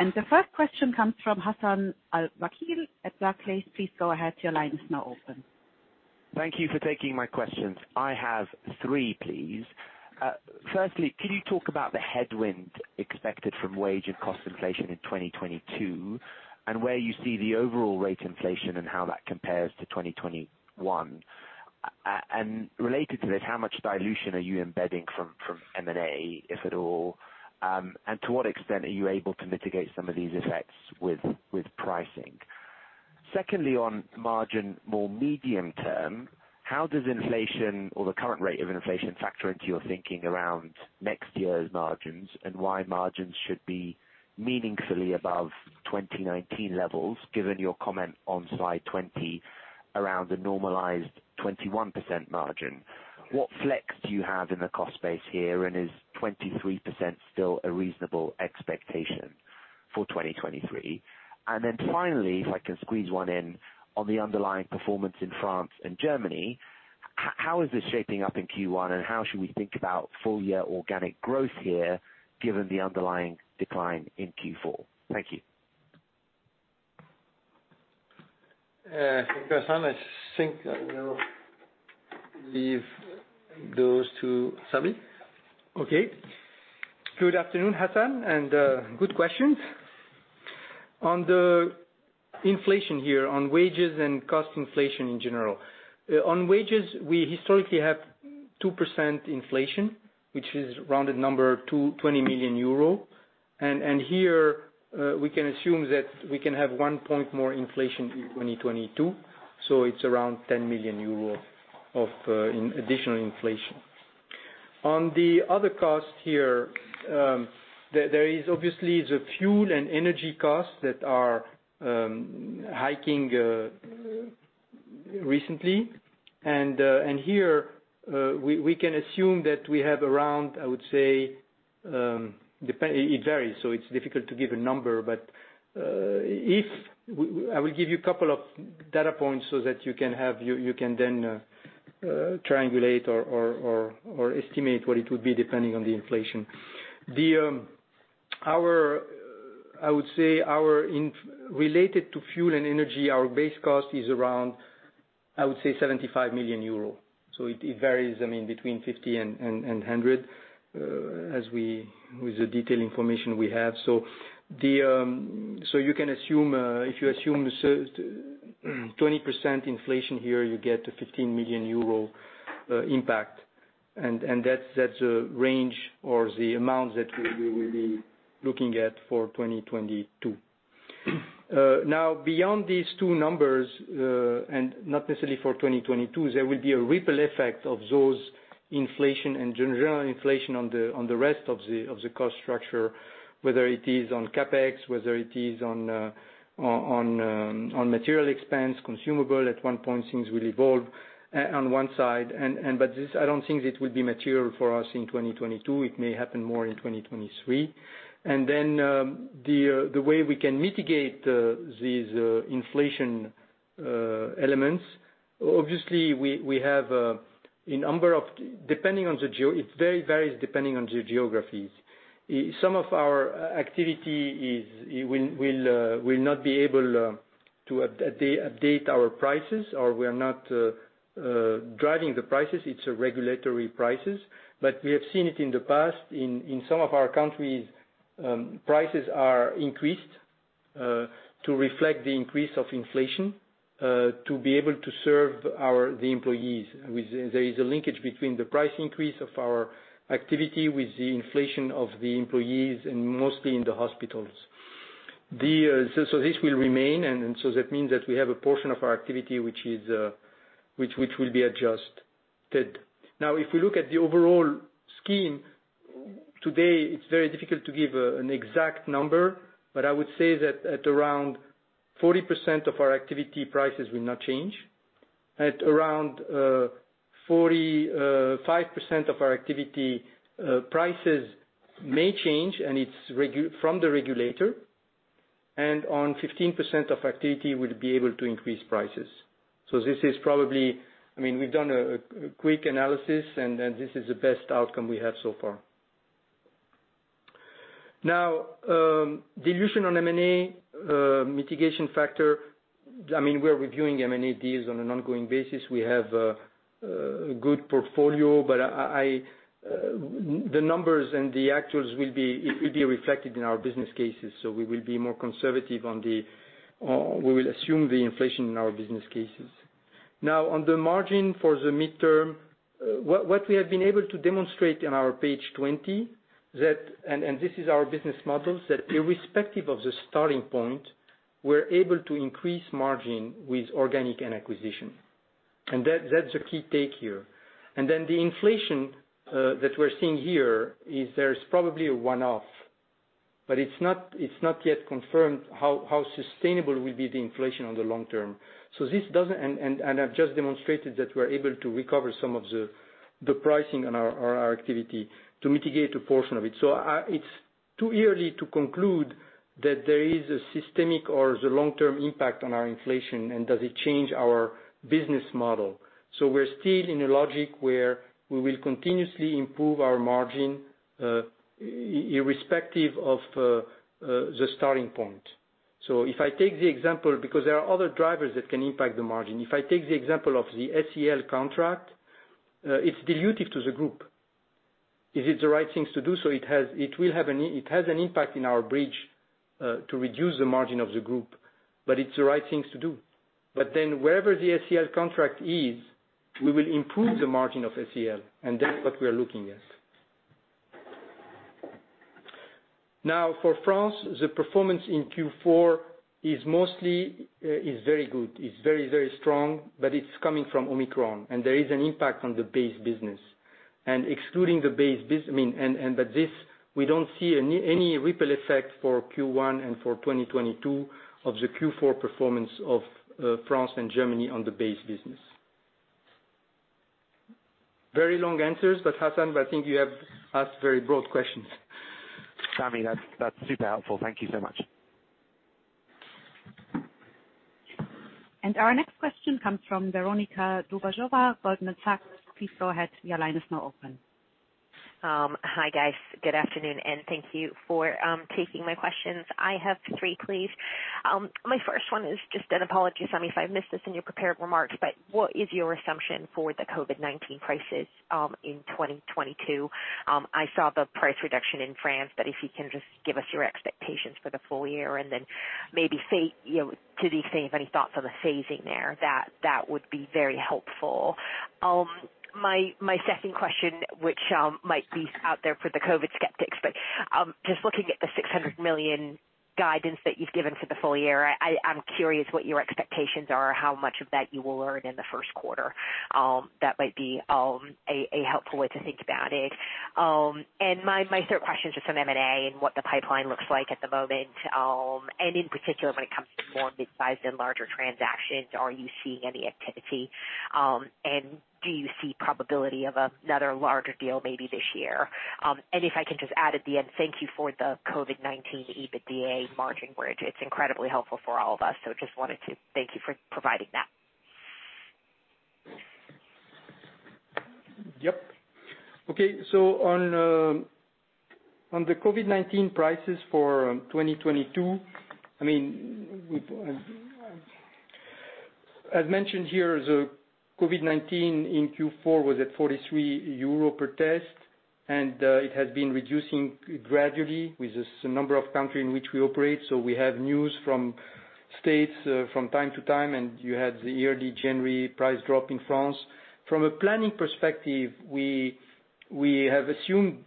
The first question comes from Hassan Al-Wakeel at Barclays. Please go ahead. Your line is now open.
Thank you for taking my questions. I have three, please. Firstly, can you talk about the headwind expected from wage and cost inflation in 2022, and where you see the overall rate of inflation and how that compares to 2021? Related to this, how much dilution are you embedding from M&A, if at all? To what extent are you able to mitigate some of these effects with pricing? Secondly, on margin, more medium term, how does inflation or the current rate of inflation factor into your thinking around next year's margins, and why margins should be meaningfully above 2019 levels, given your comment on slide 20 around the normalized 21% margin? What flex do you have in the cost base here, and is 23% still a reasonable expectation for 2023? Finally, if I can squeeze one in on the underlying performance in France and Germany, how is this shaping up in Q1, and how should we think about full year organic growth here, given the underlying decline in Q4? Thank you.
Hassan, I think I will leave those to Sami.
Okay. Good afternoon, Hassan, and good questions on the inflation here on wages and cost inflation in general. On wages, we historically have 2% inflation, which is rounded number to 20 million euro. Here, we can assume that we can have one point more inflation in 2022, so it's around 10 million euro of additional inflation. On the other costs here, there is obviously the fuel and energy costs that are hiking recently. Here, we can assume that we have around, I would say. It varies, so it's difficult to give a number. I will give you a couple of data points so that you can then triangulate or estimate what it would be depending on the inflation. I would say our inflation related to fuel and energy, our base cost is around, I would say 75 million euro. So it varies, I mean, between 50 million and 100 million, as we have with the detailed information we have. So you can assume if you assume say 20% inflation here, you get a 15 million euro impact, and that's the range or the amount that we will be looking at for 2022. Now, beyond these two numbers, and not necessarily for 2022, there will be a ripple effect of those inflation and general inflation on the rest of the cost structure, whether it is on CapEx, whether it is on material expense, consumable. At one point, things will evolve on one side. I don't think it will be material for us in 2022. It may happen more in 2023. The way we can mitigate these inflation elements, obviously we have a number of ways. It varies depending on the geographies. Some of our activity will not be able to update our prices, or we are not driving the prices. It's regulatory prices. We have seen it in the past. In some of our countries, prices are increased to reflect the increase of inflation to be able to serve our employees. There is a linkage between the price increase of our activity with the inflation of the employees and mostly in the hospitals. This will remain, and so that means that we have a portion of our activity which will be adjusted. Now, if we look at the overall scheme, today, it's very difficult to give an exact number, but I would say that at around 40% of our activity, prices will not change. At around 45% of our activity, prices may change, and it's from the regulator. On 15% of activity, we'll be able to increase prices. This is probably. I mean, we've done a quick analysis, and this is the best outcome we have so far. Now, dilution on M&A mitigation factor. I mean, we're reviewing M&A deals on an ongoing basis. We have good portfolio, but the numbers and the actuals will be reflected in our business cases. We will be more conservative on the inflation in our business cases. Now, on the margin for the midterm, what we have been able to demonstrate on our page 20, and this is our business models, that irrespective of the starting point, we're able to increase margin with organic and acquisition. That's the key take here. The inflation that we're seeing here is there's probably a one-off, but it's not yet confirmed how sustainable will be the inflation on the long term. This doesn't I've just demonstrated that we're able to recover some of the pricing on our activity to mitigate a portion of it. It's too early to conclude that there is a systemic or the long-term impact on our inflation and does it change our business model. We're still in a logic where we will continuously improve our margin, irrespective of the starting point. If I take the example, because there are other drivers that can impact the margin, if I take the example of the SEL contract, it's dilutive to the group. It is the right things to do, so it has an impact in our bridge to reduce the margin of the group, but it's the right things to do. Wherever the SEL contract is, we will improve the margin of SEL, and that's what we are looking at. Now for France, the performance in Q4 is very good. It's very, very strong, but it's coming from Omicron, and there is an impact on the base business. Excluding the base business, I mean, but this, we don't see any ripple effect for Q1 and for 2022 of the Q4 performance of France and Germany on the base business. Very long answers, but Hassan, I think you have asked very broad questions.
Sami, that's super helpful. Thank you so much.
Our next question comes from Veronika Dubajova, Goldman Sachs. Please go ahead. Your line is now open.
Hi, guys. Good afternoon, and thank you for taking my questions. I have three, please. My first one is just an apology, Sami, if I missed this in your prepared remarks, but what is your assumption for the COVID-19 prices in 2022? I saw the price reduction in France, but if you can just give us your expectations for the full year and then maybe you know, to the extent of any thoughts on the phasing there, that would be very helpful. My second question, which might be out there for the COVID skeptics, but just looking at the 600 million guidance that you've given for the full year, I'm curious what your expectations are, how much of that you will earn in the first quarter. That might be a helpful way to think about it. My third question is just on M&A and what the pipeline looks like at the moment. In particular, when it comes to more mid-sized and larger transactions, are you seeing any activity? Do you see probability of another larger deal maybe this year? If I can just add at the end, thank you for the COVID-19 EBITDA margin bridge. It's incredibly helpful for all of us, so just wanted to thank you for providing that.
Okay. On the COVID-19 prices for 2022, I mean, I've mentioned here the COVID-19 in Q4 was at 43 euro per test, and it has been reducing gradually with the number of countries in which we operate. We have news from states from time to time, and you had the early January price drop in France. From a planning perspective, we have assumed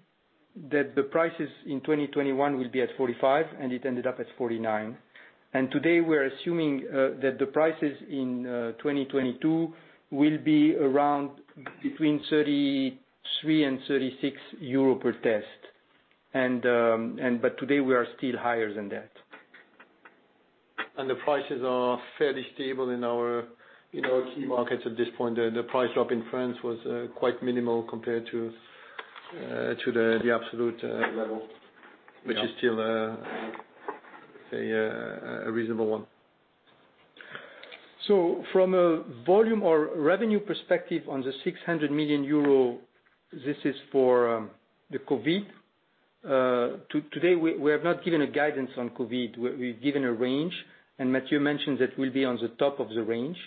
that the prices in 2021 will be at 45, and it ended up at 49. Today we're assuming that the prices in 2022 will be around between 33 and 36 euro per test. But today we are still higher than that. The prices are fairly stable in our, you know, key markets at this point. The price drop in France was quite minimal compared to the absolute level.
Yeah.
Which is still, say, a reasonable one. From a volume or revenue perspective on the 600 million euro, this is for the COVID. Today, we have not given a guidance on COVID. We've given a range, and Mathieu mentioned that we'll be on the top of the range.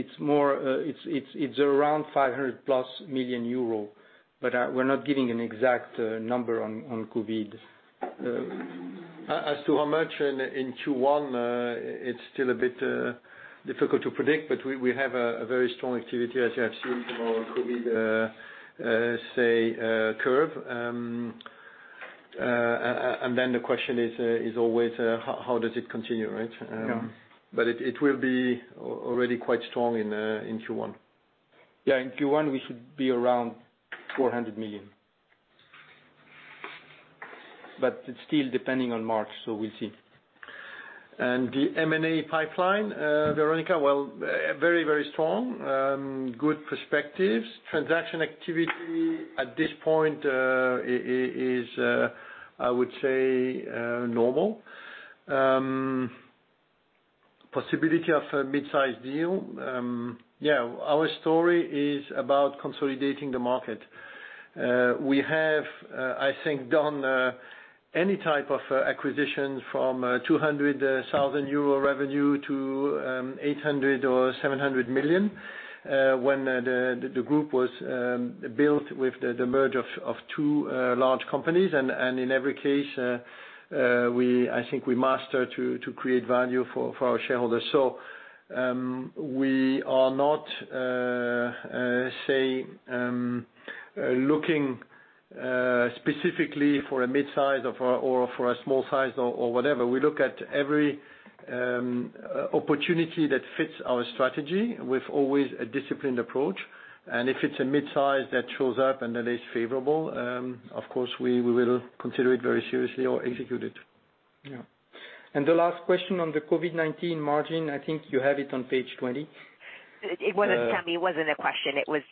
It's more, it's around 500+ million euro, but we're not giving an exact number on COVID.
As to how much in Q1, it's still a bit difficult to predict, but we have a very strong activity, as you have seen from our COVID curve. Then the question is always how does it continue, right?
Yeah.
It will be already quite strong in Q1.
Yeah, in Q1, we should be around 400 million. It's still depending on March, so we'll see.
The M&A pipeline, Veronika, well, very strong, good perspectives. Transaction activity at this point is, I would say, normal. Possibility of a mid-sized deal, yeah, our story is about consolidating the market. We have, I think done any type of acquisition from 200,000 euro revenue to 800 million or 700 million, when the group was built with the merger of two large companies. In every case, we, I think we managed to create value for our shareholders. We are not say looking specifically for a midsize or for a small size or whatever. We look at every opportunity that fits our strategy with always a disciplined approach. If it's a midsize that shows up and that is favorable, of course, we will consider it very seriously or execute it.
Yeah. The last question on the COVID-19 margin, I think you have it on page 20.
It wasn't a question, Sami. It was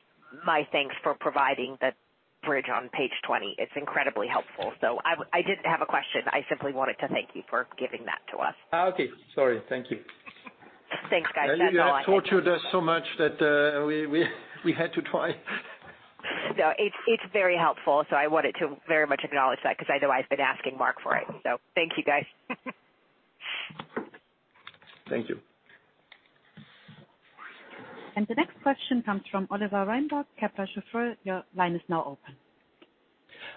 my thanks for providing the bridge on page 20. It's incredibly helpful. I didn't have a question. I simply wanted to thank you for giving that to us.
Okay. Sorry. Thank you.
Thanks, guys. That's all I had.
Sami, you have tortured us so much that we had to try.
No, it's very helpful, so I wanted to very much acknowledge that because I know I've been asking Mark for it. Thank you, guys.
Thank you.
The next question comes from Oliver Reinberg, Kepler Cheuvreux. Your line is now open.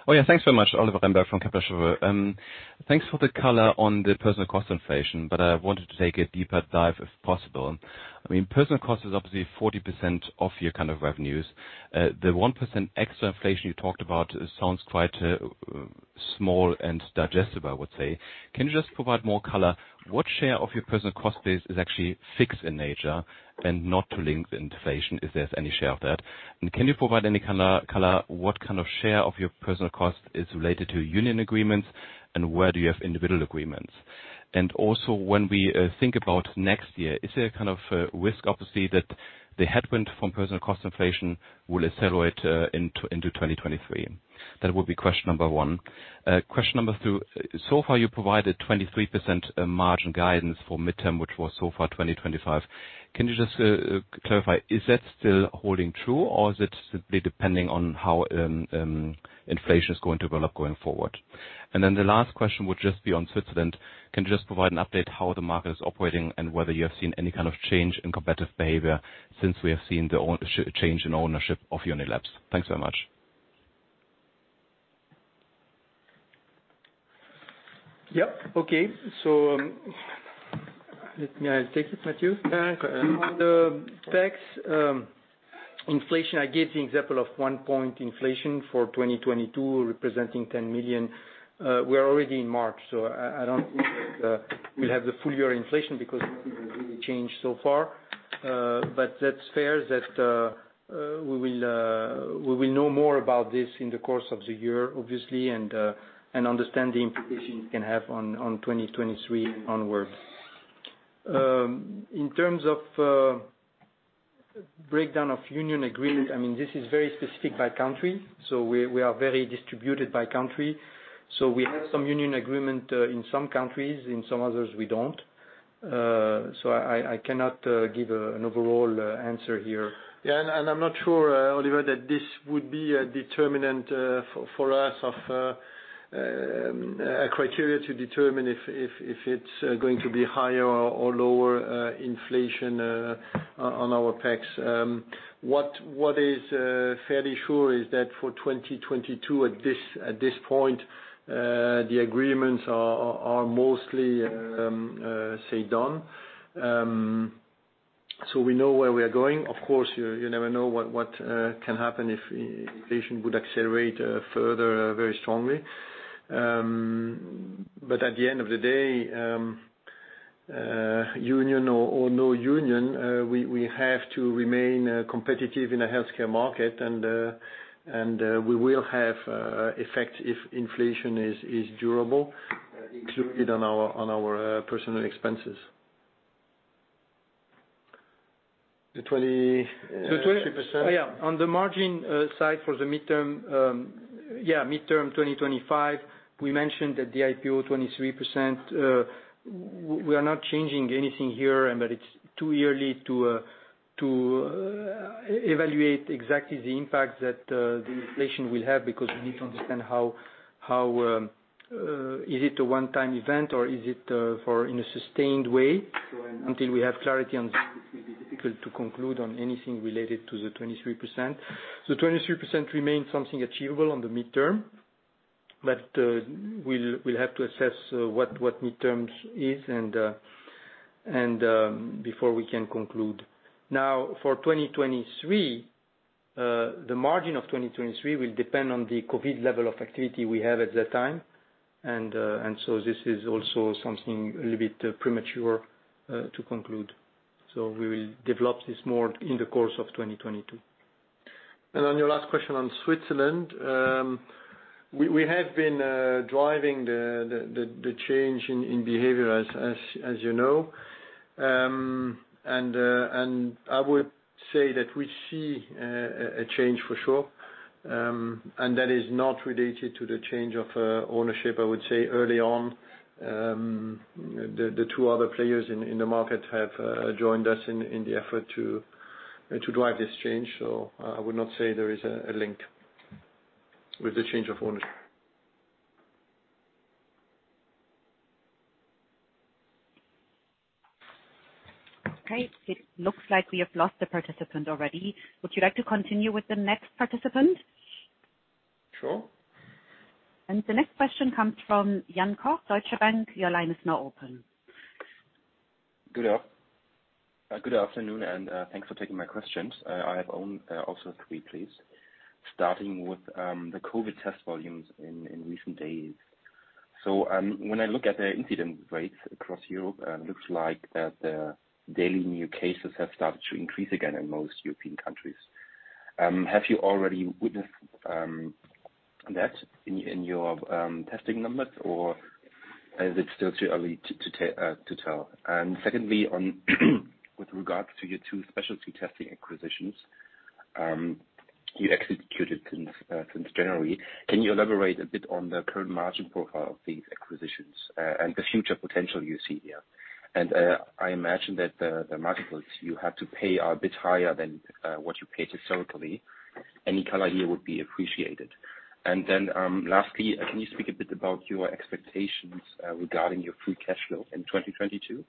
Oh, yeah. Thanks very much. Oliver Reinberg from Kepler Cheuvreux. Thanks for the color on the personnel cost inflation, but I wanted to take a deeper dive, if possible. I mean, personnel cost is obviously 40% of your kind of revenues. The 1% extra inflation you talked about sounds quite small and digestible, I would say. Can you just provide more color? What share of your personnel cost base is actually fixed in nature and not to link the inflation, if there's any share of that? And can you provide any color what kind of share of your personnel cost is related to union agreements, and where do you have individual agreements? And also, when we think about next year, is there a kind of a risk, obviously, that the headwind from personnel cost inflation will accelerate into 2023? That would be question number one. Question number two. So far, you provided 23% margin guidance for midterm, which was so far 2025. Can you just clarify, is that still holding true, or is it simply depending on how inflation is going to develop going forward? The last question would just be on Switzerland. Can you just provide an update how the market is operating and whether you have seen any kind of change in competitive behavior since we have seen the change in ownership of Unilabs? Thanks so much.
Yep. Okay. Let me, I'll take it, Mathieu.
Yeah.
On the tax, inflation, I gave the example of 1% inflation for 2022 representing 10 million. We're already in March, so I don't think that we'll have the full year inflation because nothing has really changed so far. That's fair that we will know more about this in the course of the year, obviously, and understand the implications it can have on 2023 onwards. In terms of breakdown of union agreement, I mean, this is very specific by country, so we are very distributed by country. We have some union agreement in some countries, in some others we don't. I cannot give an overall answer here.
Yeah, I'm not sure, Oliver, that this would be a determinant for us of a criteria to determine if it's going to be higher or lower inflation on our P&L. What is fairly sure is that for 2022 at this point the agreements are mostly, say, done. We know where we are going. Of course you never know what can happen if inflation would accelerate further very strongly. At the end of the day, union or no union, we have to remain competitive in the healthcare market and we will have effect if inflation is durable included on our personnel expenses.
The 20-
The 20-
3%.
Oh, yeah. On the margin side for the midterm 2025, we mentioned that the EBITDA 23%, we are not changing anything here, but it's too early to evaluate exactly the impact that the inflation will have because we need to understand how is it a one-time event or is it in a sustained way? Until we have clarity on that, it will be difficult to conclude on anything related to the 23%. Twenty-three percent remains something achievable on the midterm, but we'll have to assess what the midterm is and before we can conclude. Now for 2023, the margin of 2023 will depend on the COVID level of activity we have at that time. This is also something a little bit premature to conclude. We will develop this more in the course of 2022.
On your last question on Switzerland, we have been driving the change in behavior as you know. I would say that we see a change for sure, and that is not related to the change of ownership. I would say early on, the two other players in the market have joined us in the effort to drive this change. I would not say there is a link with the change of ownership.
Okay. It looks like we have lost the participant already. Would you like to continue with the next participant?
Sure.
The next question comes from Jan Koch, Deutsche Bank. Your line is now open.
Good afternoon, and thanks for taking my questions. I have also three, please. Starting with the COVID test volumes in recent days. When I look at the incidence rates across Europe, it looks like the daily new cases have started to increase again in most European countries. Have you already witnessed that in your testing numbers or is it still too early to tell? Secondly, with regards to your two specialty testing acquisitions you executed since January. Can you elaborate a bit on the current margin profile of these acquisitions, and the future potential you see here? I imagine that the multiples you had to pay are a bit higher than what you paid historically. Any color here would be appreciated. Lastly, can you speak a bit about your expectations regarding your free cash flow in 2022?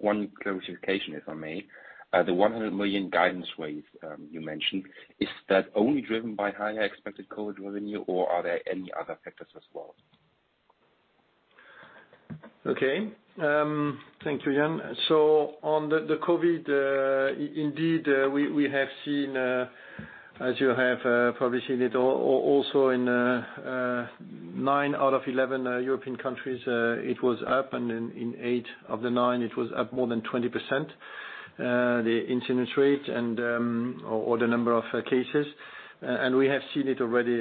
One clarification, if I may. The 100 million guidance raise you mentioned, is that only driven by higher expected COVID revenue or are there any other factors as well?
Okay. Thank you, Jan. On the COVID, indeed, we have seen, as you have probably seen it also in nine out of 11 European countries, it was up, and in eight of the nine it was up more than 20%. The incidence rate or the number of cases. We have seen it already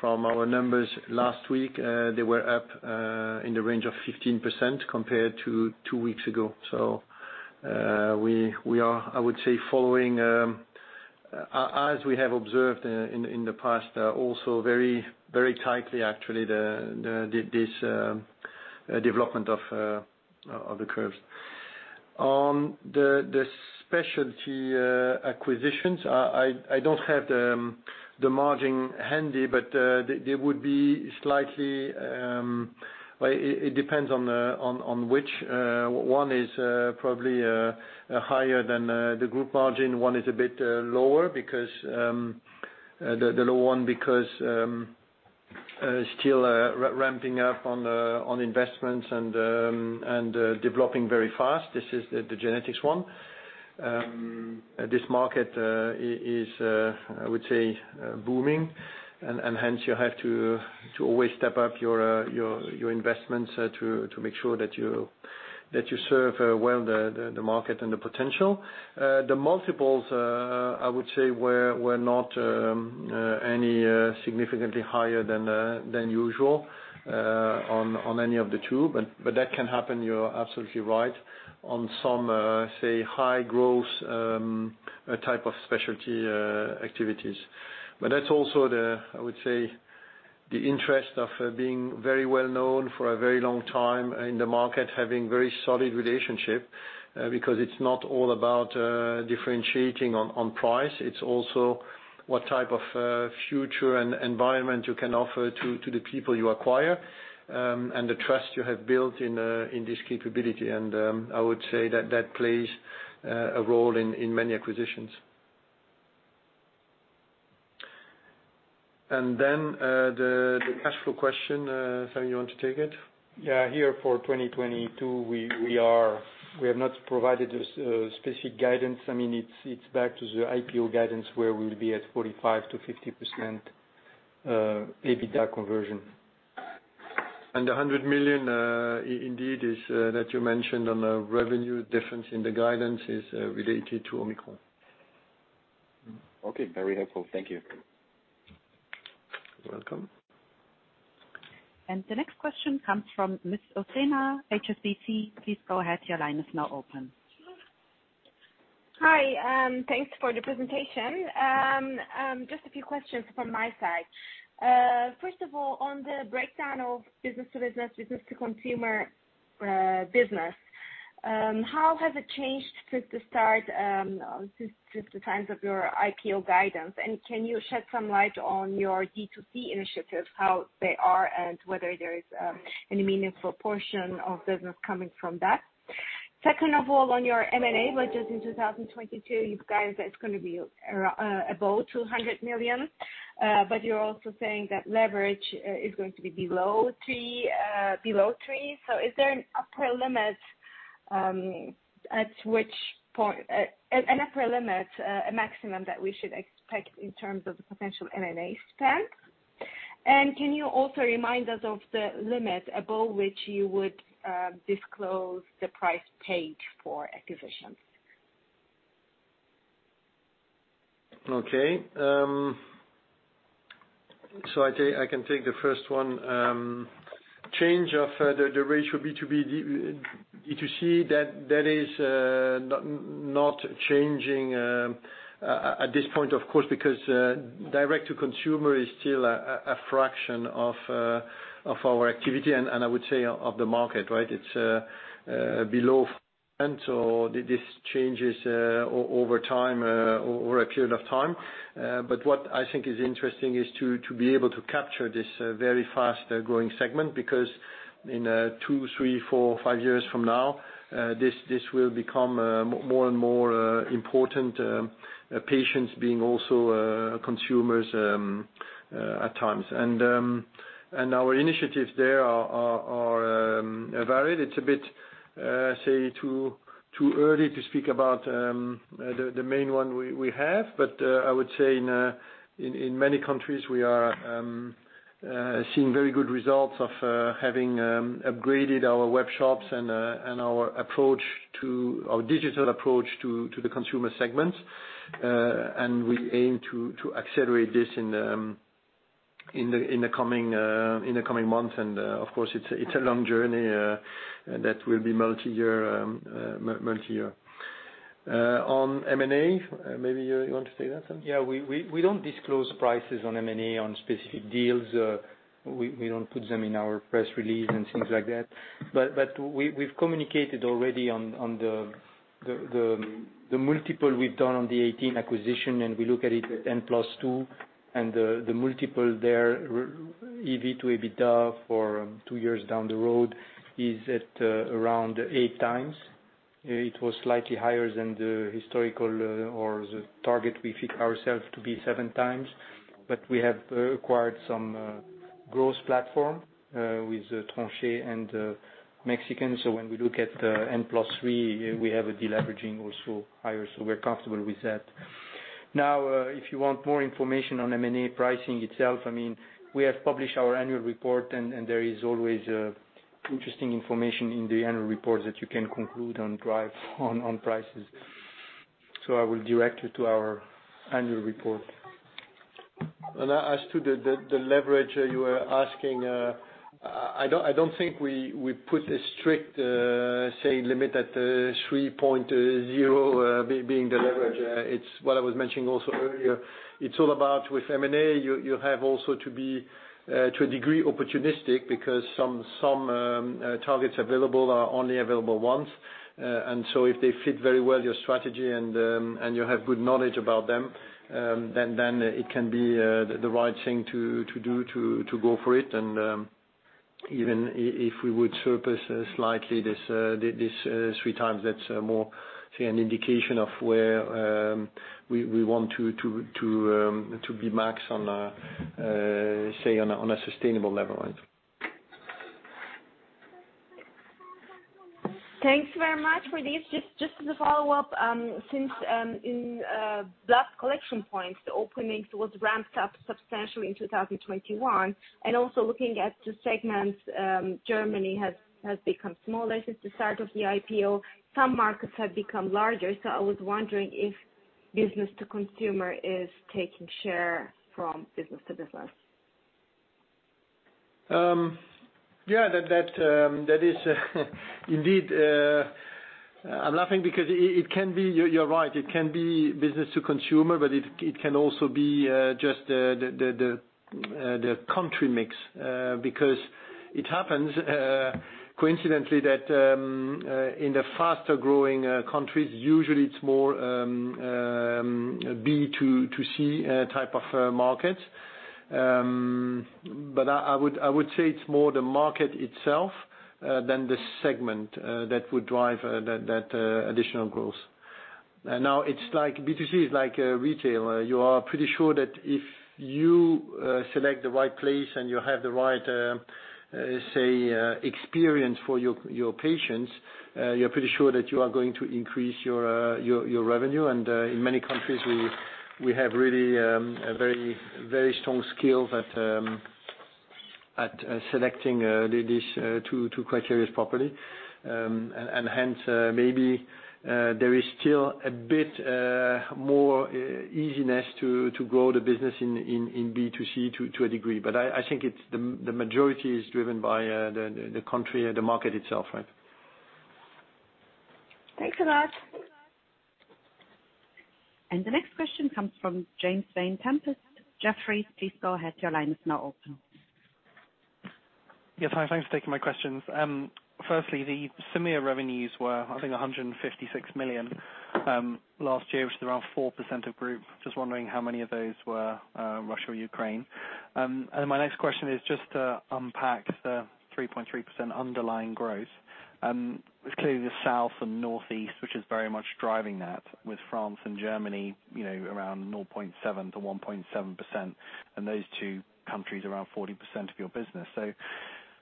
from our numbers last week. They were up in the range of 15% compared to two weeks ago. We are, I would say, following, as we have observed in the past, also very tightly actually this development of the curves. On the specialty acquisitions, I don't have the margin handy, but they would be slightly. Well, it depends on which. One is probably higher than the group margin. One is a bit lower because the low one is still ramping up on investments and developing very fast. This is the genetics one. This market is, I would say, booming and hence you have to always step up your investments to make sure that you serve well the market and the potential. The multiples, I would say were not any significantly higher than usual on any of the two. That can happen, you're absolutely right, on some say high growth type of specialty activities. That's also the, I would say, the interest of being very well known for a very long time in the market, having very solid relationship, because it's not all about differentiating on price. It's also what type of future and environment you can offer to the people you acquire, and the trust you have built in this capability. I would say that plays a role in many acquisitions. The cash flow question, Sami, you want to take it?
Year for 2022, we have not provided a specific guidance. I mean, it's back to the IPO guidance where we'll be at 45%-50% EBITDA conversion.
The 100 million indeed is that you mentioned on the revenue difference in the guidance is related to Omicron.
Okay, very helpful. Thank you.
You're welcome.
The next question comes from Sezgi Ozener, HSBC. Please go ahead, your line is now open.
Hi, thanks for the presentation. Just a few questions from my side. First of all, on the breakdown of business to business to consumer, business, how has it changed since the start, since the times of your IPO guidance? Can you shed some light on your D2C initiatives, how they are, and whether there is any meaningful portion of business coming from that? Second of all, on your M&A budgets in 2022, you've guided that it's gonna be above 200 million, but you're also saying that leverage is going to be below three. Is there an upper limit, a maximum that we should expect in terms of potential M&A spend? Can you also remind us of the limit above which you would disclose the price paid for acquisitions?
Okay. I can take the first one. Change of the ratio B2B, D2C, that is not changing at this point, of course, because direct to consumer is still a fraction of our activity and I would say of the market, right? It's below 5%, so this changes over time, over a period of time. What I think is interesting is to be able to capture this very fast growing segment because in two, three, four, five years from now, this will become more and more important, patients being also consumers at times. Our initiatives there are varied. It's a bit too early to speak about the main one we have. I would say in many countries we are seeing very good results of having upgraded our web shops and our digital approach to the consumer segment. We aim to accelerate this in the coming months. Of course it's a long journey that will be multi-year. On M&A, maybe you want to take that, Sami?
Yeah. We don't disclose prices on M&A on specific deals. We don't put them in our press release and things like that. We’ve communicated already on the multiple we’ve done on the 18 acquisition, and we look at it at N+2.
The multiple there, EV to EBITDA for two years down the road is at around 8x. It was slightly higher than the historical or the target we set ourselves to be 7x. We have acquired some growth platforms with the Tronchet and the Mexican. When we look at the N+3, we have a deleveraging also higher, so we're comfortable with that. If you want more information on M&A pricing itself, I mean we have published our annual report, and there is always interesting information in the annual report that you can conclude and derive from on prices. I will direct you to our annual report. As to the leverage you were asking, I don't think we put a strict say limit at 3.0 being the leverage. It's what I was mentioning also earlier. It's all about with M&A you have also to be to a degree opportunistic because some targets available are only available once. So if they fit very well your strategy and you have good knowledge about them, then it can be the right thing to do to go for it. Even if we would surface slightly this 3 times, that's more say an indication of where we want to be max on a say on a sustainable level. Right.
Thanks very much for this. Just as a follow-up, since in blood collection points, the openings was ramped up substantially in 2021. Also looking at the segments, Germany has become smaller since the start of the IPO. Some markets have become larger. I was wondering if business to consumer is taking share from business to business.
Yeah. That is, indeed, I'm laughing because it can be, you're right, it can be business to consumer, but it can also be just the country mix. Because it happens coincidentally that in the faster-growing countries, usually it's more B2C type of market. But I would say it's more the market itself than the segment that would drive that additional growth. Now it's like B2C is like retail. You are pretty sure that if you select the right place and you have the right say experience for your patients, you're pretty sure that you are going to increase your revenue. In many countries, we have really a very strong skill at selecting these two criteria properly. Hence, maybe there is still a bit more easiness to grow the business in B2C to a degree. But I think it's the majority is driven by the country or the market itself, right?
Thanks a lot.
The next question comes from James Vane-Tempest, Jefferies. Please go ahead. Your line is now open.
Yes, hi. Thanks for taking my questions. First, the EMEA revenues were, I think, 156 million last year, which is around 4% of group. Just wondering how many of those were Russia or Ukraine. My next question is just to unpack the 3.3% underlying growth. It's clearly the South and Northeast, which is very much driving that, with France and Germany, you know, around 0.7%-1.7%, and those two countries around 40% of your business.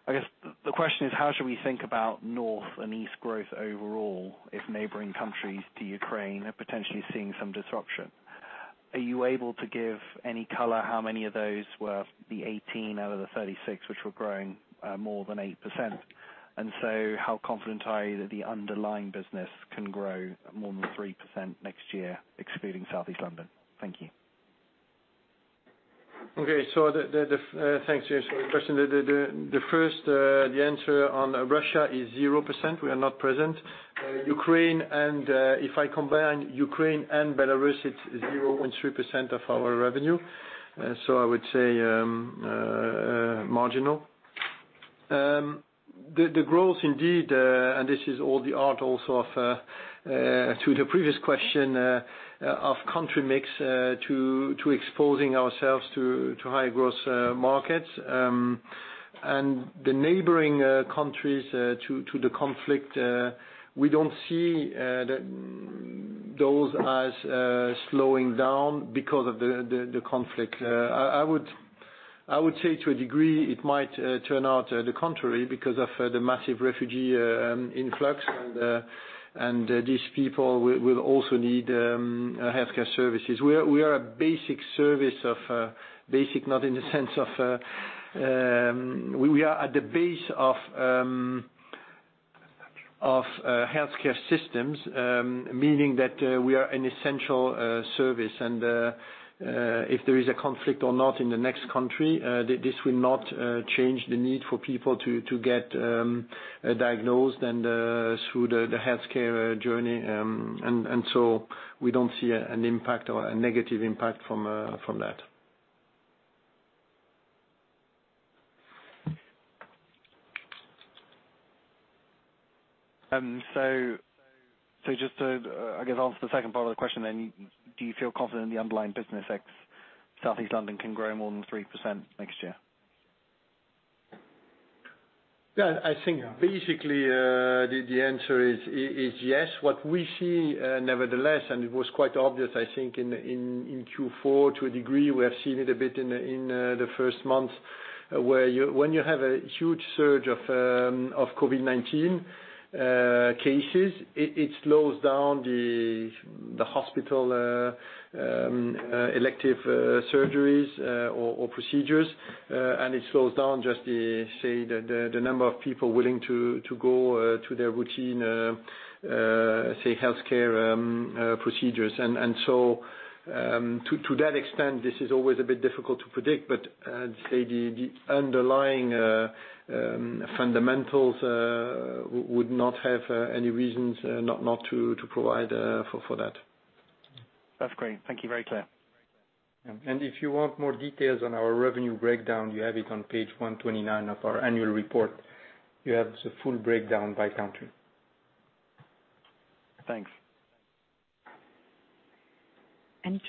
I guess the question is, how should we think about North and East growth overall if neighboring countries to Ukraine are potentially seeing some disruption? Are you able to give any color how many of those were the 18 out of the 36 which were growing more than 8%? How confident are you that the underlying business can grow more than 3% next year, excluding Southeast London? Thank you.
Thanks, James, for the question. The first answer on Russia is 0%. We are not present. Ukraine and if I combine Ukraine and Belarus, it's 0.3% of our revenue, so I would say marginal. The growth indeed, and this is all the part also of the previous question of country mix, to exposing ourselves to higher growth markets. The neighboring countries to the conflict, we don't see those as slowing down because of the conflict. I would say to a degree it might turn out the contrary because of the massive refugee influx. These people will also need healthcare services. We are at the base of healthcare systems, meaning that we are an essential service. If there is a conflict or not in the next country, this will not change the need for people to get diagnosed and through the healthcare journey. We don't see an impact or a negative impact from that.
Just to, I guess, answer the second part of the question then, do you feel confident the underlying business ex Southeast London can grow more than 3% next year?
Yeah, I think basically, the answer is yes. What we see, nevertheless, and it was quite obvious, I think, in Q4 to a degree, we have seen it a bit in the first month, where, when you have a huge surge of COVID-19 cases, it slows down the hospital elective surgeries or procedures. And it slows down just the, say, the number of people willing to go to their routine, say, healthcare procedures. To that extent, this is always a bit difficult to predict, but I'd say the underlying fundamentals would not have any reasons not to provide for that.
That's great. Thank you. Very clear.
If you want more details on our revenue breakdown, you have it on page 129 of our annual report. You have the full breakdown by country.
Thanks.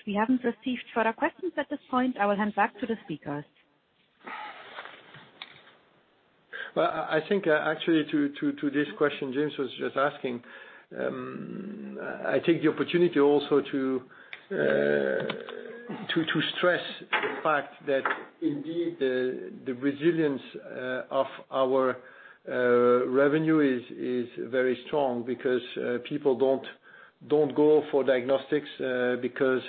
We haven't received further questions at this point. I will hand back to the speakers.
Well, I think actually to this question James was just asking, I take the opportunity also to stress the fact that indeed the resilience of our revenue is very strong because people don't go for diagnostics because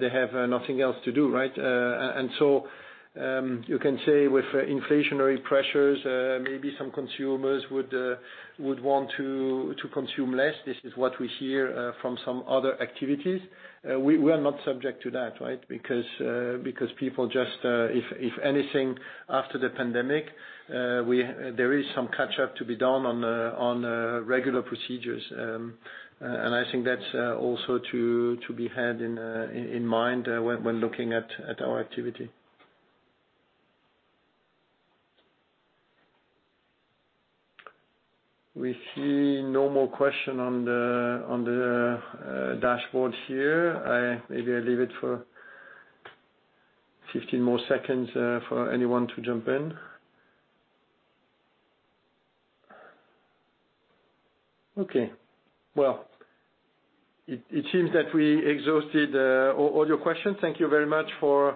they have nothing else to do, right? You can say with inflationary pressures, maybe some consumers would want to consume less. This is what we hear from some other activities. We are not subject to that, right? Because people just, if anything, after the pandemic, there is some catch up to be done on regular procedures. I think that's also to be had in mind when looking at our activity. We see no more questions on the dashboard here. Maybe I leave it for 15 more seconds for anyone to jump in. Okay. Well, it seems that we exhausted all your questions. Thank you very much for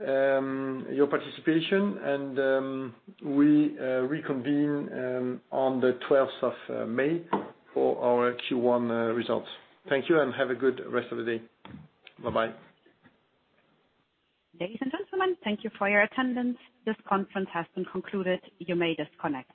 your participation. We reconvene on the twelfth of May for our Q1 results. Thank you, and have a good rest of the day. Bye-bye.
Ladies and gentlemen, thank you for your attendance. This conference has been concluded. You may disconnect.